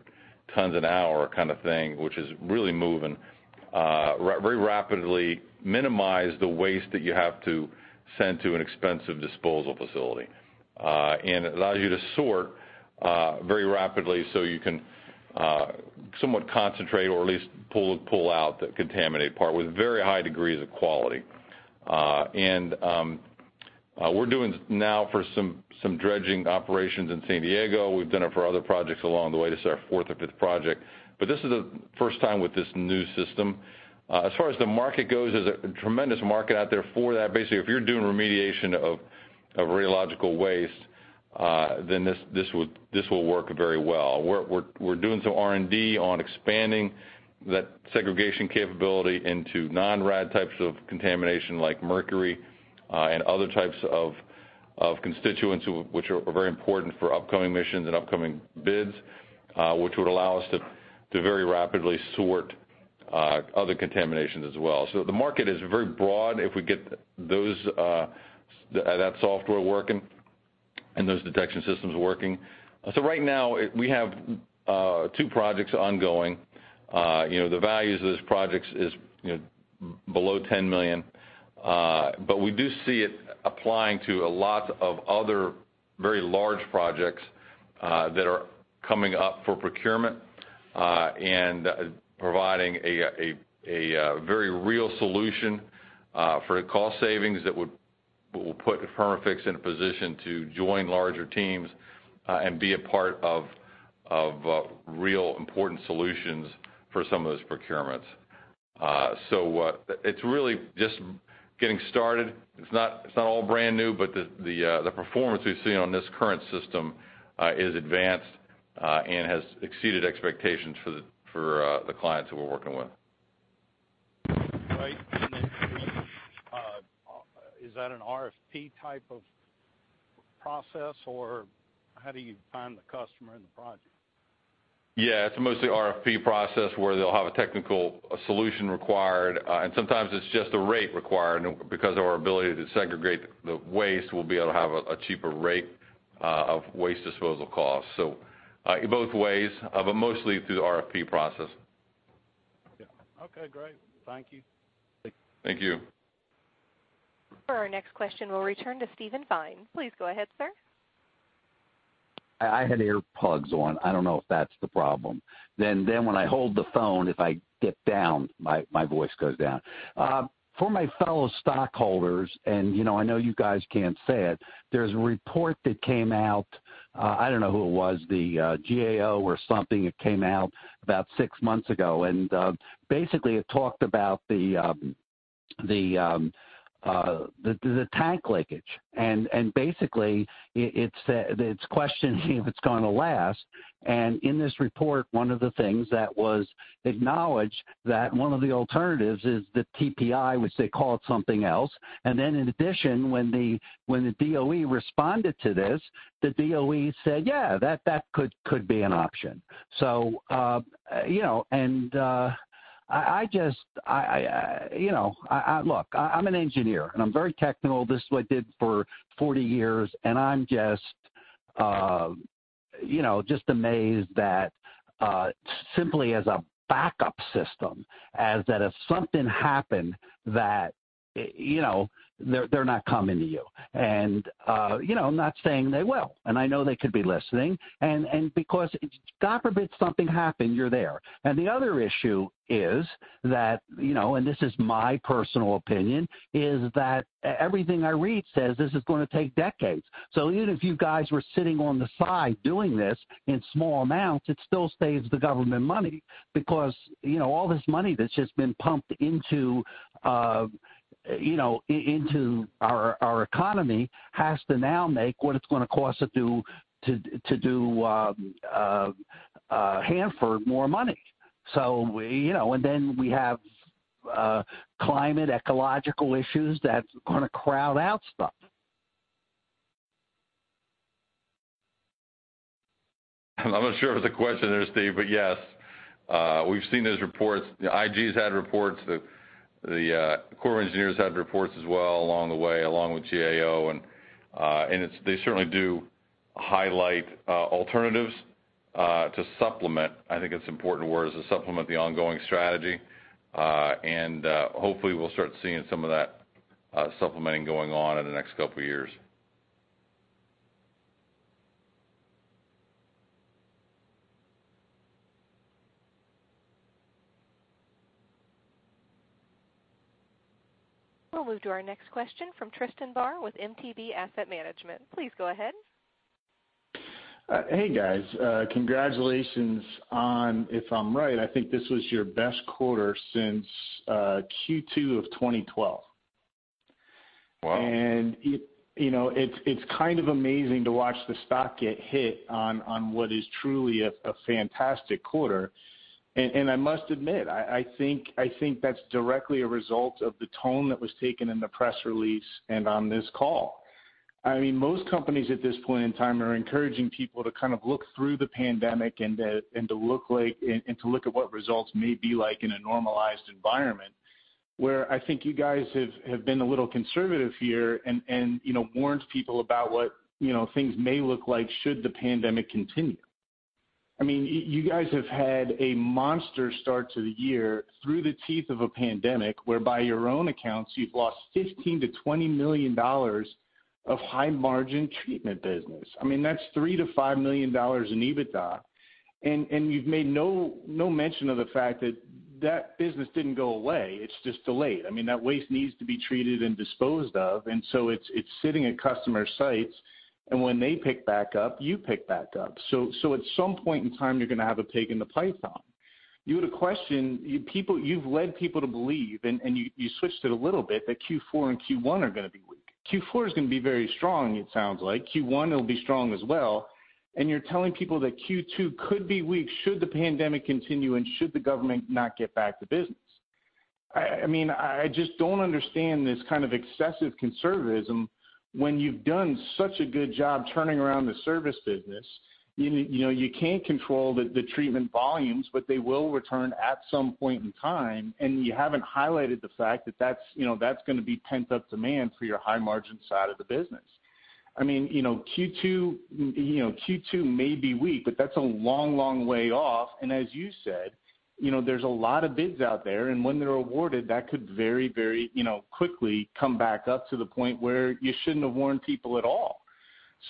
tons an hour kind of thing, which is really moving, very rapidly minimize the waste that you have to send to an expensive disposal facility. It allows you to sort very rapidly so you can somewhat concentrate or at least pull out the contaminated part with very high degrees of quality. We're doing now for some dredging operations in San Diego. We've done it for other projects along the way. This is our fourth or fifth project. This is the first time with this new system. As far as the market goes, there's a tremendous market out there for that. Basically, if you're doing remediation of radiological waste, then this will work very well. We're doing some R&D on expanding that segregation capability into non-rad types of contamination like mercury and other types of constituents which are very important for upcoming missions and upcoming bids, which would allow us to very rapidly sort other contaminations as well. The market is very broad if we get that software working and those detection systems working. Right now, we have two projects ongoing. The values of those projects is below $10 million. We do see it applying to a lot of other very large projects that are coming up for procurement and providing a very real solution for cost savings that will put Perma-Fix in a position to join larger teams and be a part of real important solutions for some of those procurements. It's really just getting started. It's not all brand new, but the performance we've seen on this current system is advanced and has exceeded expectations for the clients who we're working with. Great. Is that an RFP type of process, or how do you find the customer in the project? Yeah, it's mostly RFP process where they'll have a technical solution required, and sometimes it's just a rate required. Because of our ability to segregate the waste, we'll be able to have a cheaper rate of waste disposal costs. Both ways, mostly through the RFP process. Yeah. Okay, great. Thank you. Thank you. For our next question, we'll return to Steven Fine. Please go ahead, sir. I had earplugs on. I don't know if that's the problem. When I hold the phone, if I dip down, my voice goes down. For my fellow stockholders, I know you guys can't say it, there's a report that came out, I don't know who it was, the GAO or something, it came out about six months ago. Basically it talked about the tank leakage. Basically, it's questioning if it's going to last. In this report, one of the things that was acknowledged that one of the alternatives is the TBI, which they called something else. In addition, when the DOE responded to this, the DOE said, "Yeah, that could be an option." Look, I'm an engineer and I'm very technical. This is what I did for 40 years. I'm just amazed that simply as a backup system, as that if something happened, that they're not coming to you. I'm not saying they will. I know they could be listening. Because God forbid something happened, you're there. The other issue is that, and this is my personal opinion, is that everything I read says this is going to take decades. Even if you guys were sitting on the side doing this in small amounts, it still saves the government money because all this money that's just been pumped into our economy. Hanford more money. We have climate ecological issues that's going to crowd out stuff. I'm not sure if it's a question there, Steve. Yes. We've seen those reports. The IG had reports, the Corps of Engineers had reports as well along the way, along with GAO. They certainly do highlight alternatives to supplement the ongoing strategy. Hopefully we'll start seeing some of that supplementing going on in the next couple of years. We'll move to our next question from Tristan Barr with MTB Asset Management. Please go ahead. Hey, guys. Congratulations on, if I'm right, I think this was your best quarter since Q2 of 2012. Wow. It's kind of amazing to watch the stock get hit on what is truly a fantastic quarter. I must admit, I think that's directly a result of the tone that was taken in the press release and on this call. Most companies at this point in time are encouraging people to kind of look through the pandemic and to look at what results may be like in a normalized environment, where I think you guys have been a little conservative here and warned people about what things may look like should the pandemic continue. You guys have had a monster start to the year through the teeth of a pandemic, where by your own accounts, you've lost $15 million-$20 million of high margin treatment business. That's $3 million-$5 million in EBITDA. You've made no mention of the fact that that business didn't go away. It's just delayed. That waste needs to be treated and disposed of, and so it's sitting at customer sites, and when they pick back up, you pick back up. At some point in time, you're going to have a pig in the python. You had a question, you've led people to believe, and you switched it a little bit, that Q4 and Q1 are going to be weak. Q4 is going to be very strong, it sounds like. Q1 will be strong as well, and you're telling people that Q2 could be weak should the pandemic continue, and should the government not get back to business. I just don't understand this kind of excessive conservatism when you've done such a good job turning around the service business. You can't control the treatment volumes, but they will return at some point in time, and you haven't highlighted the fact that that's going to be pent up demand for your high margin side of the business. Q2 may be weak, but that's a long way off, and as you said, there's a lot of bids out there, and when they're awarded, that could very quickly come back up to the point where you shouldn't have warned people at all.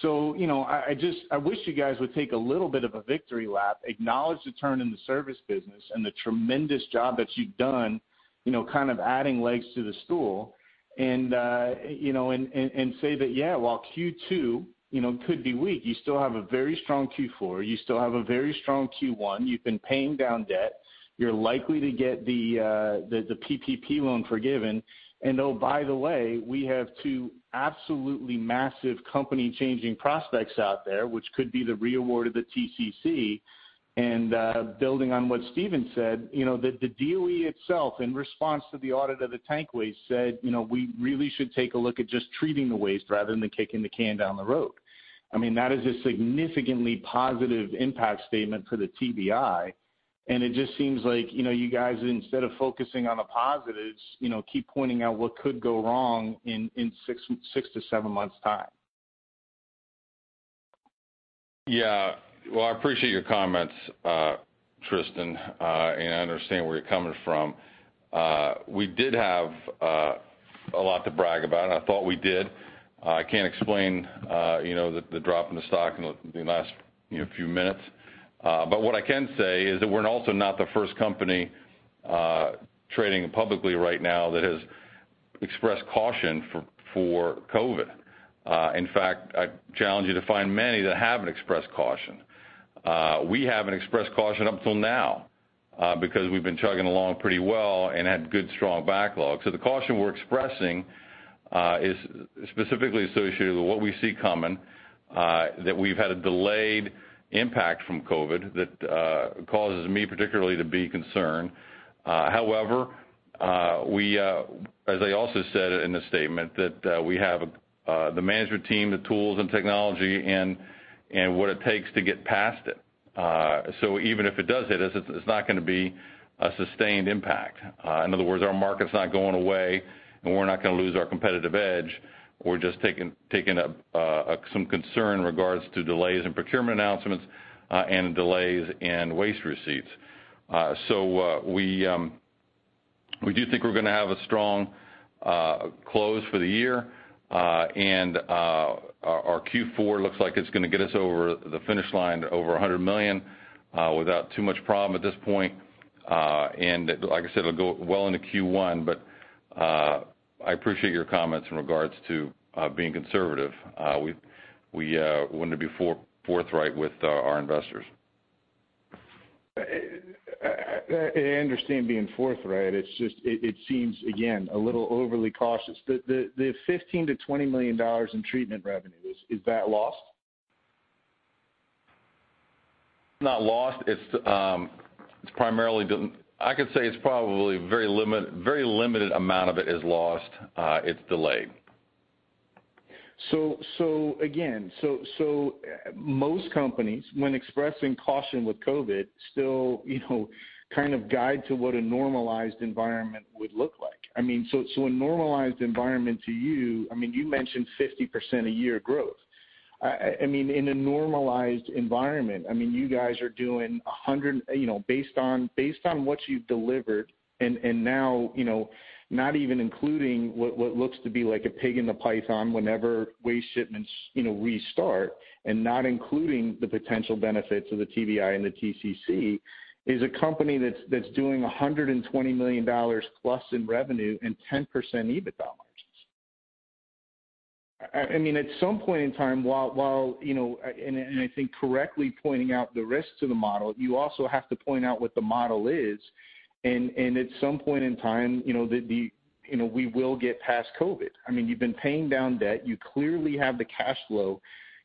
I wish you guys would take a little bit of a victory lap, acknowledge the turn in the service business and the tremendous job that you've done kind of adding legs to the stool and say that, yeah, while Q2 could be weak, you still have a very strong Q4. You still have a very strong Q1. You've been paying down debt. You're likely to get the PPP loan forgiven. Oh, by the way, we have two absolutely massive company changing prospects out there, which could be the reaward of the TCC. Building on what Steven said, the DOE itself, in response to the audit of the tank waste, said, "We really should take a look at just treating the waste rather than kicking the can down the road." That is a significantly positive impact statement for the TBI, and it just seems like you guys, instead of focusing on the positives, keep pointing out what could go wrong in six to seven months' time. Yeah. Well, I appreciate your comments, Tristan. I understand where you're coming from. We did have a lot to brag about, and I thought we did. I can't explain the drop in the stock in the last few minutes. What I can say is that we're also not the first company trading publicly right now that has expressed caution for COVID. In fact, I challenge you to find many that haven't expressed caution. We haven't expressed caution up till now because we've been chugging along pretty well and had good, strong backlog. The caution we're expressing is specifically associated with what we see coming that we've had a delayed impact from COVID that causes me particularly to be concerned. However, as I also said in the statement, that we have the management team, the tools and technology, and what it takes to get past it. Even if it does hit us, it's not going to be a sustained impact. In other words, our market's not going away, and we're not going to lose our competitive edge. We're just taking some concern in regards to delays in procurement announcements and delays in waste receipts. We do think we're going to have a strong close for the year. Our Q4 looks like it's going to get us over the finish line to over $100 million without too much problem at this point. Like I said, it'll go well into Q1, but I appreciate your comments in regards to being conservative. We wanted to be forthright with our investors. I understand being forthright. It seems, again, a little overly cautious. The $15 million-$20 million in treatment revenue, is that lost? Not lost. I could say it's probably very limited amount of it is lost. It's delayed. Again, most companies, when expressing caution with COVID, still kind of guide to what a normalized environment would look like. A normalized environment to you mentioned 50% a year growth. In a normalized environment, you guys are doing 100. Based on what you've delivered, and now not even including what looks to be like a pig in the python whenever waste shipments restart, and not including the potential benefits of the TBI and the TCC, is a company that's doing $120 million plus in revenue and 10% EBITDA margins. At some point in time, and I think correctly pointing out the risks of the model, you also have to point out what the model is. At some point in time, we will get past COVID. You've been paying down debt. You clearly have the cash flow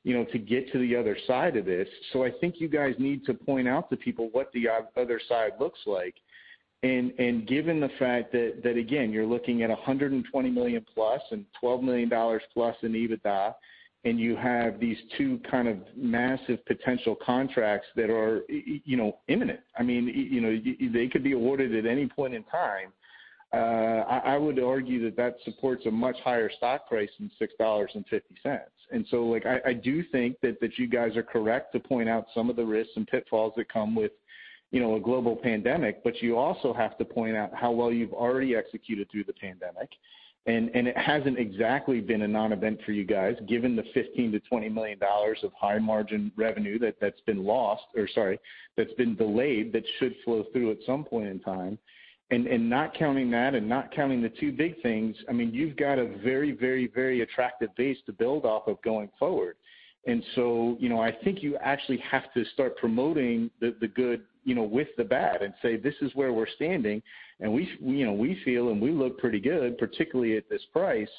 to get to the other side of this. I think you guys need to point out to people what the other side looks like. Given the fact that, again, you're looking at $120 million plus and $12 million plus in EBITDA, and you have these two kind of massive potential contracts that are imminent. They could be awarded at any point in time. I would argue that that supports a much higher stock price than $6.50. I do think that you guys are correct to point out some of the risks and pitfalls that come with a global pandemic, but you also have to point out how well you've already executed through the pandemic. It hasn't exactly been a non-event for you guys, given the $15 million-$20 million of high margin revenue that's been lost, or sorry, that's been delayed, that should flow through at some point in time. Not counting that, not counting the two big things, you've got a very attractive base to build off of going forward. I think you actually have to start promoting the good with the bad and say, "This is where we're standing, and we feel and we look pretty good," particularly at this price.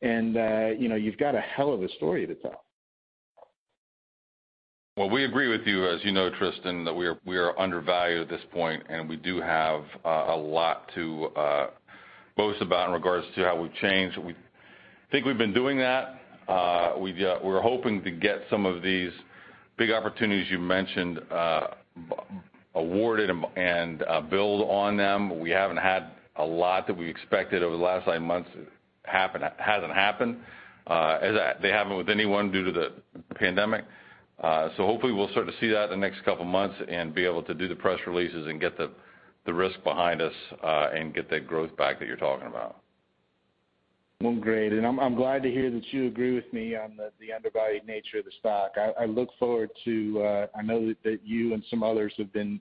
You've got a hell of a story to tell. Well, we agree with you, as you know, Tristan, that we are undervalued at this point, and we do have a lot to boast about in regards to how we've changed. I think we've been doing that. We're hoping to get some of these big opportunities you mentioned awarded and build on them. We haven't had a lot that we expected over the last nine months, hasn't happened. They haven't with anyone due to the pandemic. Hopefully we'll start to see that in the next couple of months and be able to do the press releases and get the risk behind us, and get that growth back that you're talking about. Well, great. I'm glad to hear that you agree with me on the undervalued nature of the stock. I know that you and some others have been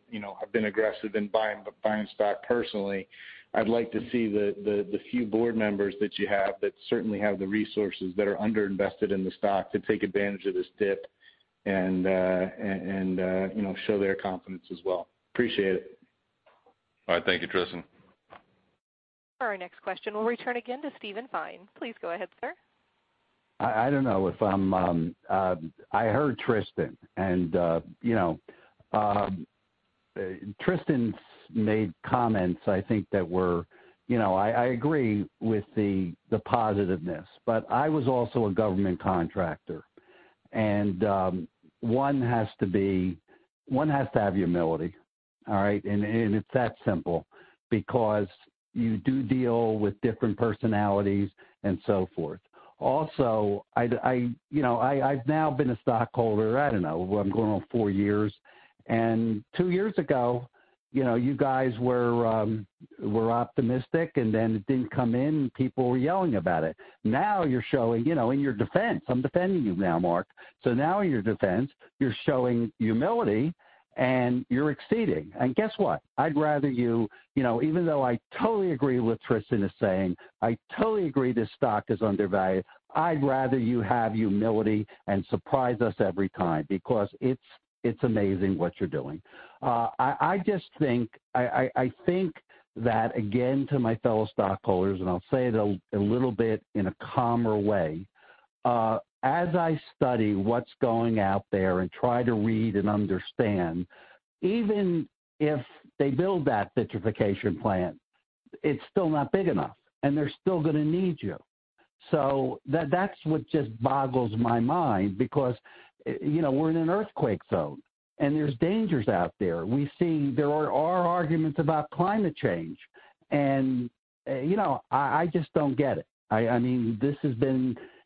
aggressive in buying stock personally. I'd like to see the few board members that you have that certainly have the resources that are under-invested in the stock to take advantage of this dip and show their confidence as well. Appreciate it. All right. Thank you, Tristan. For our next question, we'll return again to Steven Fine. Please go ahead, sir. I don't know if I heard Tristan's made comments, I think that were I agree with the positiveness, but I was also a government contractor, one has to have humility. All right. It's that simple, because you do deal with different personalities and so forth. Also, I've now been a stockholder, I don't know, what I'm going on four years, Two years ago, you guys were optimistic, then it didn't come in. People were yelling about it. Now you're showing, in your defense, I'm defending you now, Mark. Now in your defense, you're showing humility and you're exceeding. Guess what. I'd rather you, even though I totally agree with Tristan is saying, I totally agree this stock is undervalued. I'd rather you have humility and surprise us every time, because it's amazing what you're doing. I think that, again, to my fellow stockholders, I'll say it a little bit in a calmer way. As I study what's going out there and try to read and understand, even if they build that vitrification plant, it's still not big enough, and they're still going to need you. That's what just boggles my mind because we're in an earthquake zone, and there's dangers out there. There are arguments about climate change, and I just don't get it.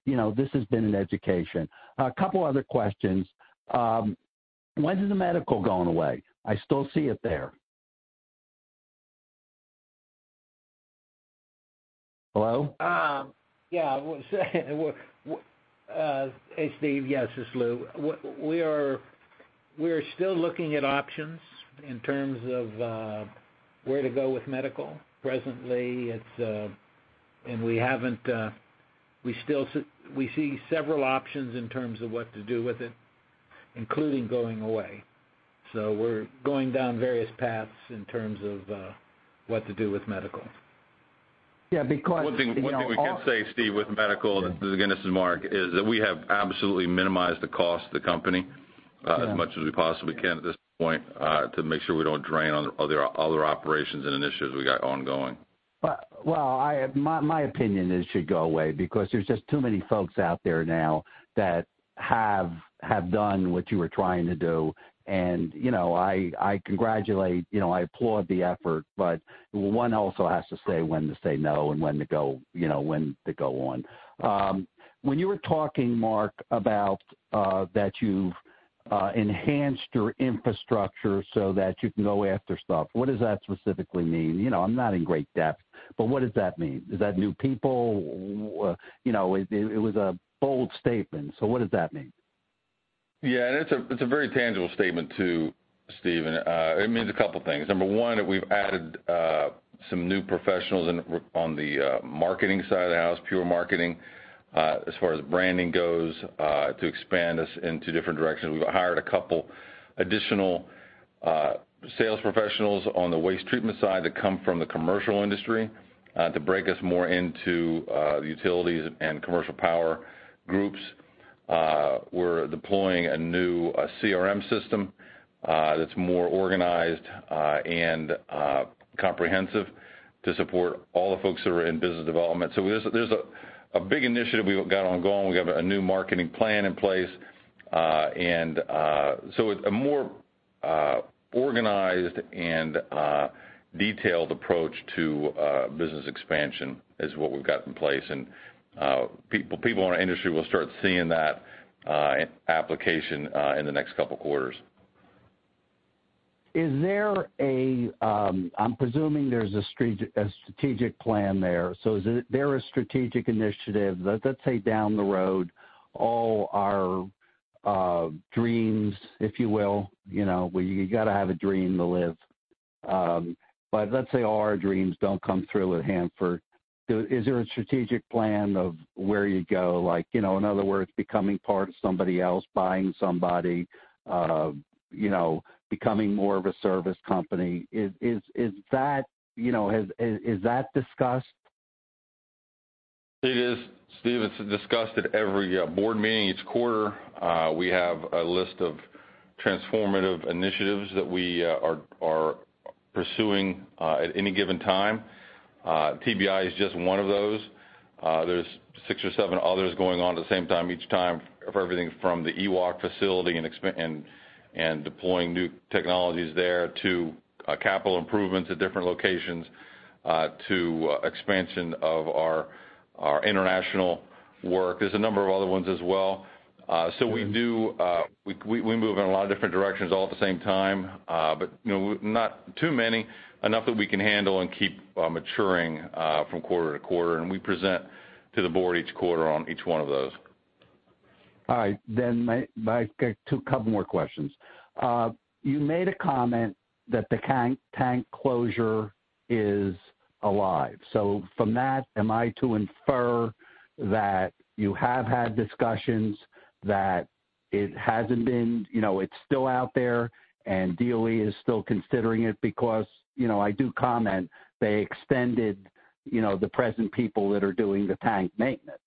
This has been an education. A couple other questions. When is the medical going away? I still see it there. Hello? Yeah. Hey, Steve. Yes, this is Lou. We are still looking at options in terms of where to go with medical. Presently, we see several options in terms of what to do with it, including going away. We're going down various paths in terms of what to do with medical. Yeah. One thing we can say, Steve, with medical, and again, this is Mark, is that we have absolutely minimized the cost to the company as much as we possibly can at this point to make sure we don't drain on other operations and initiatives we got ongoing. Well, my opinion is it should go away because there's just too many folks out there now that have done what you were trying to do. I congratulate, I applaud the effort, but one also has to say when to say no and when to go on. When you were talking, Mark, about that you've enhanced your infrastructure so that you can go after stuff, what does that specifically mean? I'm not in great depth, but what does that mean? Is that new people? It was a bold statement, so what does that mean? Yeah. It's a very tangible statement, too, Steve, and it means a couple of things. Number one, that we've added some new professionals on the marketing side of the house, pure marketing, as far as branding goes, to expand us into different directions. We've hired a couple additional sales professionals on the waste treatment side that come from the commercial industry to break us more into the utilities and commercial power groups. We're deploying a new CRM system that's more organized and comprehensive to support all the folks that are in business development. There's a big initiative we've got ongoing. We have a new marketing plan in place. It's a more organized and detailed approach to business expansion is what we've got in place. People in our industry will start seeing that application in the next couple of quarters. I'm presuming there's a strategic plan there. Is there a strategic initiative, let's say down the road, all our dreams, if you will, you got to have a dream to live, but let's say all our dreams don't come true at Hanford. Is there a strategic plan of where you go? Like, in other words, becoming part of somebody else, buying somebody, becoming more of a service company. Is that discussed? It is, Steve. It's discussed at every board meeting each quarter. We have a list of transformative initiatives that we are pursuing at any given time. TBI is just one of those. There's six or seven others going on at the same time each time for everything from the EWOC facility and deploying new technologies there to capital improvements at different locations to expansion of our international work. There's a number of other ones as well. We move in a lot of different directions all at the same time. Not too many, enough that we can handle and keep maturing from quarter-to-quarter, and we present to the board each quarter on each one of those. All right. Two, couple more questions. You made a comment that the tank closure is alive. From that, am I to infer that you have had discussions that it's still out there and DOE is still considering it? I do comment they extended the present people that are doing the tank maintenance.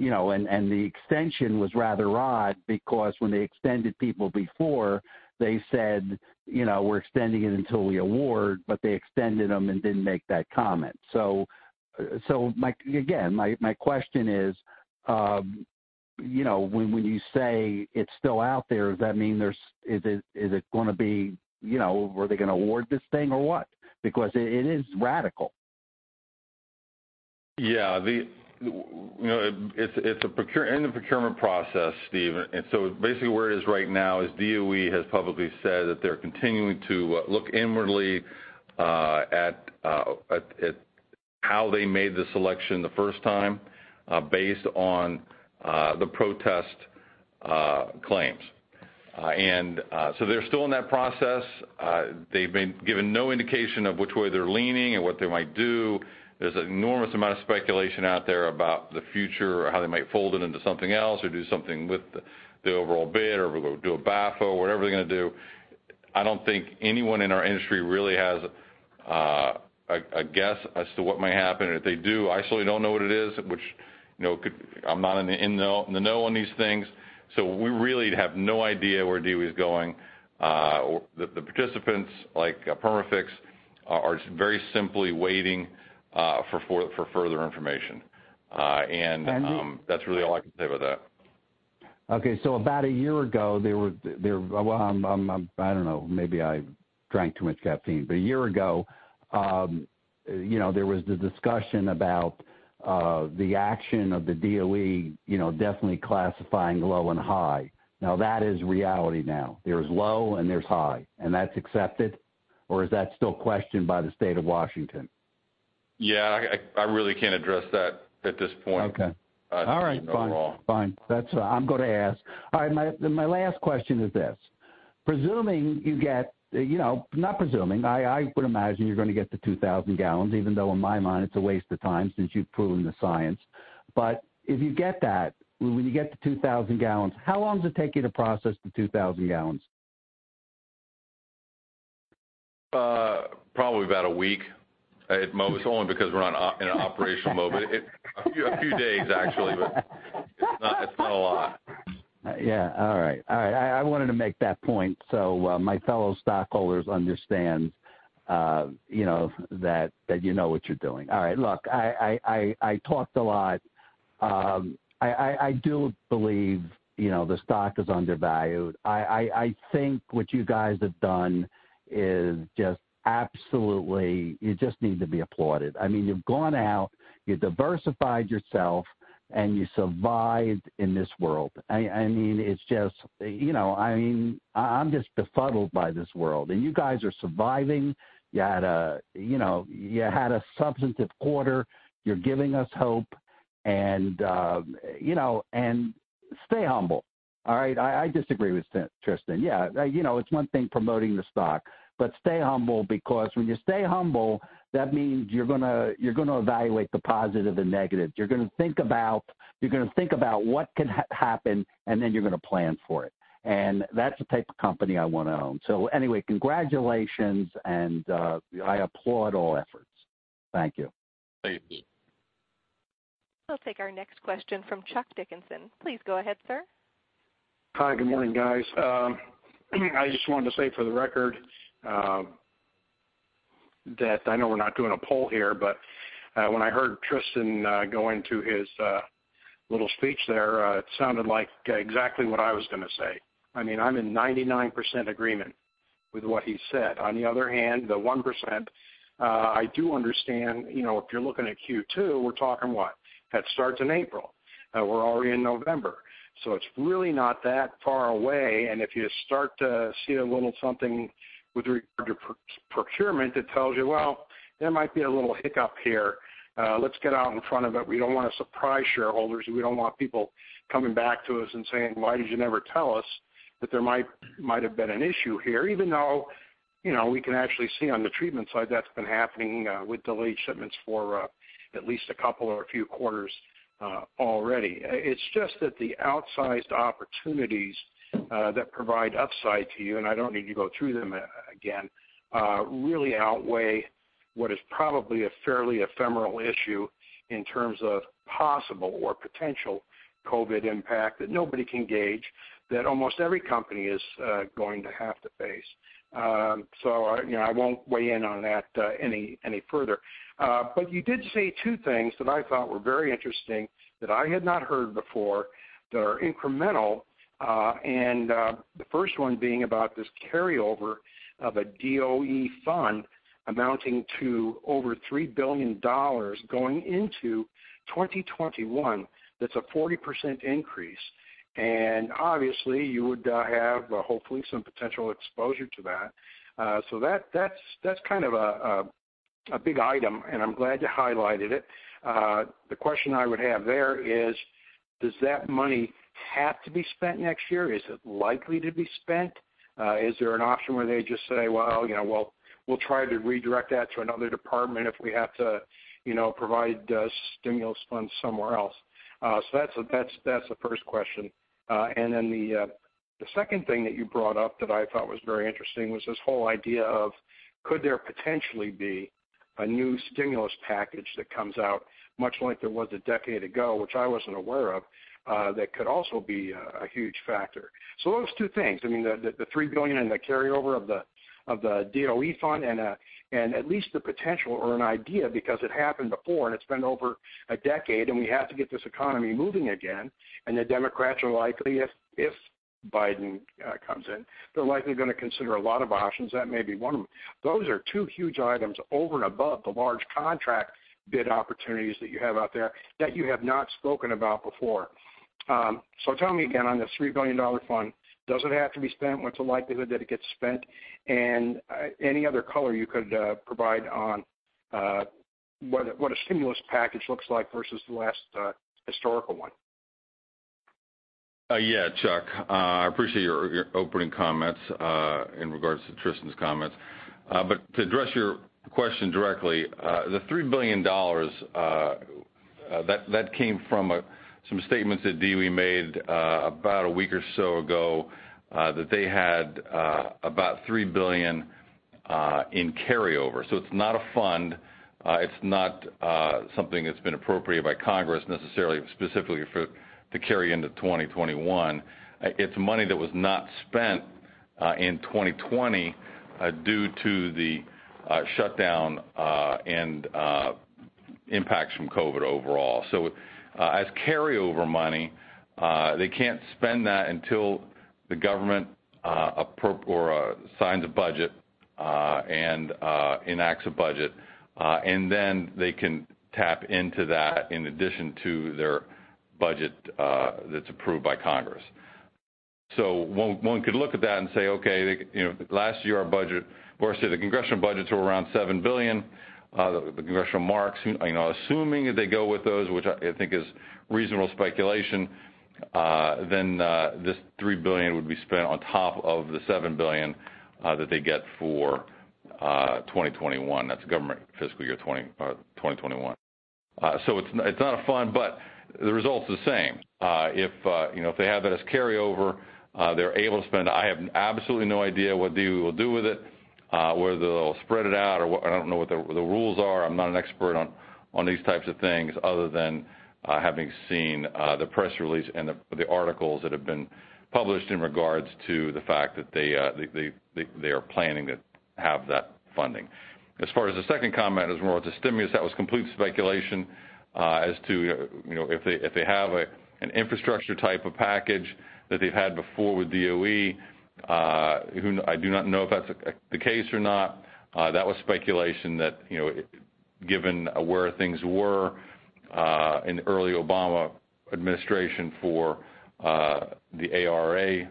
The extension was rather odd because when they extended people before, they said, "We're extending it until we award," but they extended them and didn't make that comment. Again, my question is, when you say it's still out there, does that mean are they going to award this thing or what? Because it is radical. Yeah. It's in the procurement process, Steve. Basically where it is right now is DOE has publicly said that they're continuing to look inwardly at how they made the selection the first time based on the protest claims. They're still in that process. They've been given no indication of which way they're leaning and what they might do. There's an enormous amount of speculation out there about the future, how they might fold it into something else or do something with the overall bid or do a BAFO, whatever they're going to do. I don't think anyone in our industry really has a guess as to what might happen. If they do, I certainly don't know what it is, which I'm not in the know on these things. We really have no idea where DOE is going. The participants, like Perma-Fix, are very simply waiting for further information. Andy? that's really all I can say about that. Okay, about a year ago, I don't know, maybe I drank too much caffeine, a year ago, there was the discussion about the action of the DOE definitely classifying low and high. That is reality now. There's low and there's high, that's accepted or is that still questioned by the State of Washington? Yeah. I really can't address that at this point. Okay. I don't even know at all. All right, fine. That's I'm going to ask. All right, my last question is this. Presuming you get, not presuming, I would imagine you're going to get the 2,000 gallons, even though in my mind it's a waste of time since you've proven the science. If you get that, when you get to 2,000 gallons, how long does it take you to process the 2,000 gallons? Probably about a week at most. Only because we're in an operational mode. A few days actually, but it's not a lot. Yeah. All right. I wanted to make that point so my fellow stockholders understand that you know what you're doing. All right. Look, I talked a lot. I do believe the stock is undervalued. I think what you guys have done is just absolutely, you just need to be applauded. You've gone out, you diversified yourself, and you survived in this world. I'm just befuddled by this world. You guys are surviving. You had a substantive quarter. You're giving us hope and stay humble. All right. I disagree with Tristan. Yeah. It's one thing promoting the stock, but stay humble because when you stay humble, that means you're going to evaluate the positive and negative. You're going to think about what can happen, and then you're going to plan for it. That's the type of company I want to own. Anyway, congratulations and I applaud all efforts. Thank you. Thank you. We'll take our next question from Chuck Dickinson. Please go ahead, sir. Hi. Good morning, guys. I just wanted to say for the record that I know we're not doing a poll here, but when I heard Tristan go into his little speech there, it sounded like exactly what I was going to say. I'm in 99% agreement with what he said. On the other hand, the 1%, I do understand, if you're looking at Q2, we're talking what? That starts in April. We're already in November, it's really not that far away. If you start to see a little something with regard to procurement that tells you, well, there might be a little hiccup here, let's get out in front of it. We don't want to surprise shareholders. We don't want people coming back to us and saying, "Why did you never tell us that there might have been an issue here?" We can actually see on the treatment side that's been happening with delayed shipments for at least a couple or a few quarters already. It's just that the outsized opportunities that provide upside to you, and I don't need to go through them again, really outweigh what is probably a fairly ephemeral issue in terms of possible or potential COVID impact that nobody can gauge that almost every company is going to have to face. I won't weigh in on that any further. You did say two things that I thought were very interesting that I had not heard before that are incremental, and the first one being about this carryover of a DOE fund amounting to over $3 billion going into 2021. That's a 40% increase, and obviously you would have hopefully some potential exposure to that. That's kind of a big item, and I'm glad you highlighted it. The question I would have there is does that money have to be spent next year? Is it likely to be spent? Is there an option where they just say, "Well, we'll try to redirect that to another department if we have to provide stimulus funds somewhere else"? That's the first question. The second thing that you brought up that I thought was very interesting was this whole idea of could there potentially be a new stimulus package that comes out much like there was a decade ago, which I wasn't aware of, that could also be a huge factor. Those two things, the $3 billion and the carryover of the DOE fund and at least the potential or an idea, because it happened before and it's been over a decade, and we have to get this economy moving again, and the Democrats are likely, if Biden comes in, they're likely going to consider a lot of options. That may be one of them. Those are two huge items over and above the large contract bid opportunities that you have out there that you have not spoken about before. Tell me again on this $3 billion fund, does it have to be spent? What's the likelihood that it gets spent? Any other color you could provide on what a stimulus package looks like versus the last historical one? Yeah, Chuck. I appreciate your opening comments in regards to Tristan's comments. To address your question directly, the $3 billion, that came from some statements that DOE made about a week or so ago, that they had about $3 billion in carryover. It's not a fund. It's not something that's been appropriated by Congress necessarily, specifically to carry into 2021. It's money that was not spent in 2020 due to the shutdown and impacts from COVID overall. As carryover money, they can't spend that until the government signs a budget and enacts a budget, and then they can tap into that in addition to their budget that's approved by Congress. One could look at that and say, okay, last year our budget, or say the congressional budgets were around $7 billion. The congressional marks, assuming they go with those, which I think is reasonable speculation. This $3 billion would be spent on top of the $7 billion that they get for 2021. That's government fiscal year 2021. It's not a fund, but the result's the same. If they have that as carryover, they're able to spend. I have absolutely no idea what DOE will do with it, whether they'll spread it out or what. I don't know what the rules are. I'm not an expert on these types of things other than having seen the press release and the articles that have been published in regards to the fact that they are planning to have that funding. As far as the second comment, it was more of the stimulus. That was complete speculation as to if they have an infrastructure type of package that they've had before with DOE. I do not know if that's the case or not. That was speculation that, given where things were in early Obama administration for the ARRA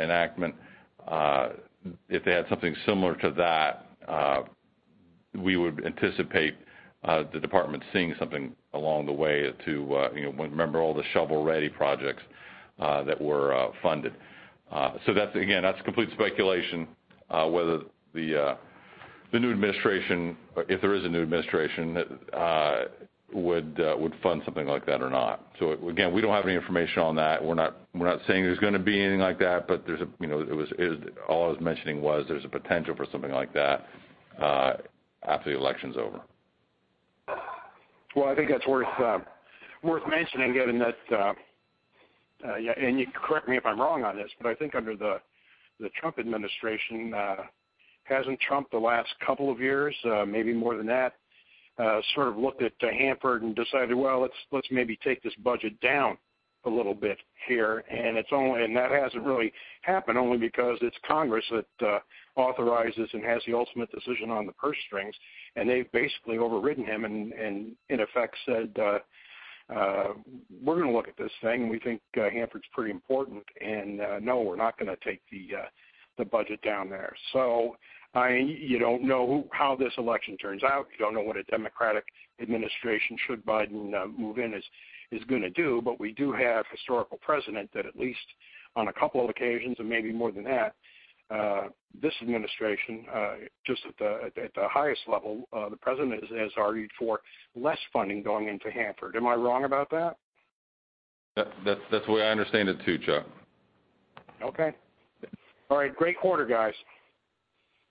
enactment, if they had something similar to that, we would anticipate the department seeing somaething along the way. Remember all the shovel-ready projects that were funded. That, again, that's complete speculation whether the new administration, if there is a new administration, would fund something like that or not. Again, we don't have any information on that. We're not saying there's going to be anything like that, but all I was mentioning was there's a potential for something like that after the election's over. Well, I think that's worth mentioning, given that you can correct me if I'm wrong on this, but I think under the Trump administration, hasn't Trump, the last couple of years, maybe more than that, sort of looked at Hanford and decided, "Well, let's maybe take this budget down a little bit here?" That hasn't really happened only because it's Congress that authorizes and has the ultimate decision on the purse strings, and they've basically overridden him and in effect said, "We're going to look at this thing, and we think Hanford's pretty important, and no, we're not going to take the budget down there." You don't know how this election turns out. You don't know what a Democratic administration, should Biden move in, is going to do. We do have historical precedent that at least on a couple of occasions, and maybe more than that, this administration, just at the highest level, the President has argued for less funding going into Hanford. Am I wrong about that? That's the way I understand it, too, Chuck. Okay. All right. Great quarter, guys.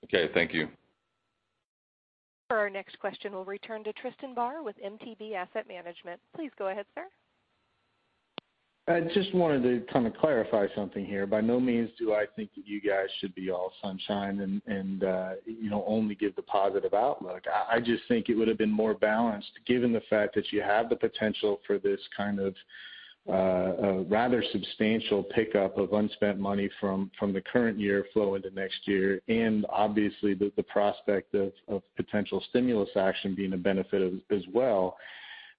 Okay. Thank you. For our next question, we'll return to Tristan Barr with MTB Asset Management. Please go ahead, sir. I just wanted to kind of clarify something here. By no means do I think that you guys should be all sunshine and only give the positive outlook. I just think it would have been more balanced, given the fact that you have the potential for this kind of rather substantial pickup of unspent money from the current year flow into next year and obviously the prospect of potential stimulus action being a benefit as well,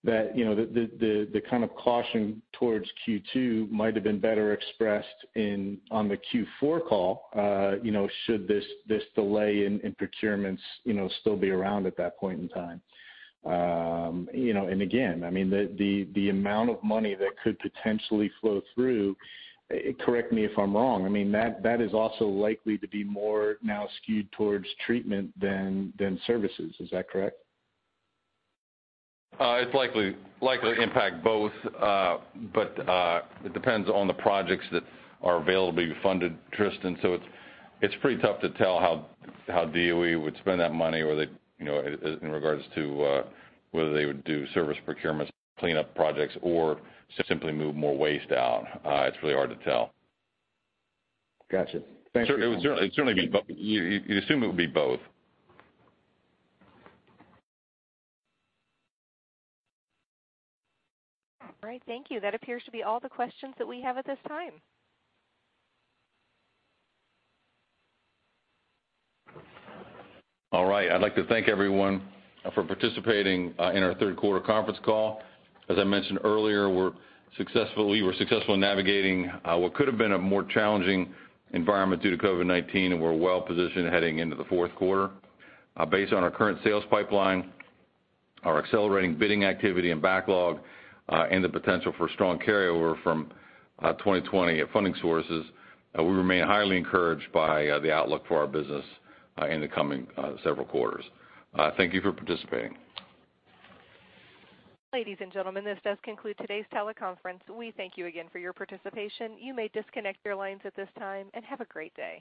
that the kind of caution towards Q2 might have been better expressed on the Q4 call should this delay in procurements still be around at that point in time. Again, I mean, the amount of money that could potentially flow through, correct me if I'm wrong, I mean, that is also likely to be more now skewed towards treatment than services. Is that correct? It's likely to impact both. It depends on the projects that are available to be funded, Tristan. It's pretty tough to tell how DOE would spend that money in regards to whether they would do service procurements, cleanup projects, or simply move more waste out. It's really hard to tell. Got you. Thank you. You'd assume it would be both. All right. Thank you. That appears to be all the questions that we have at this time. All right. I'd like to thank everyone for participating in our third quarter conference call. As I mentioned earlier, we were successful in navigating what could have been a more challenging environment due to COVID-19, and we're well positioned heading into the fourth quarter. Based on our current sales pipeline, our accelerating bidding activity and backlog, and the potential for strong carryover from 2020 funding sources, we remain highly encouraged by the outlook for our business in the coming several quarters. Thank you for participating. Ladies and gentlemen, this does conclude today's teleconference. We thank you again for your participation. You may disconnect your lines at this time, and have a great day.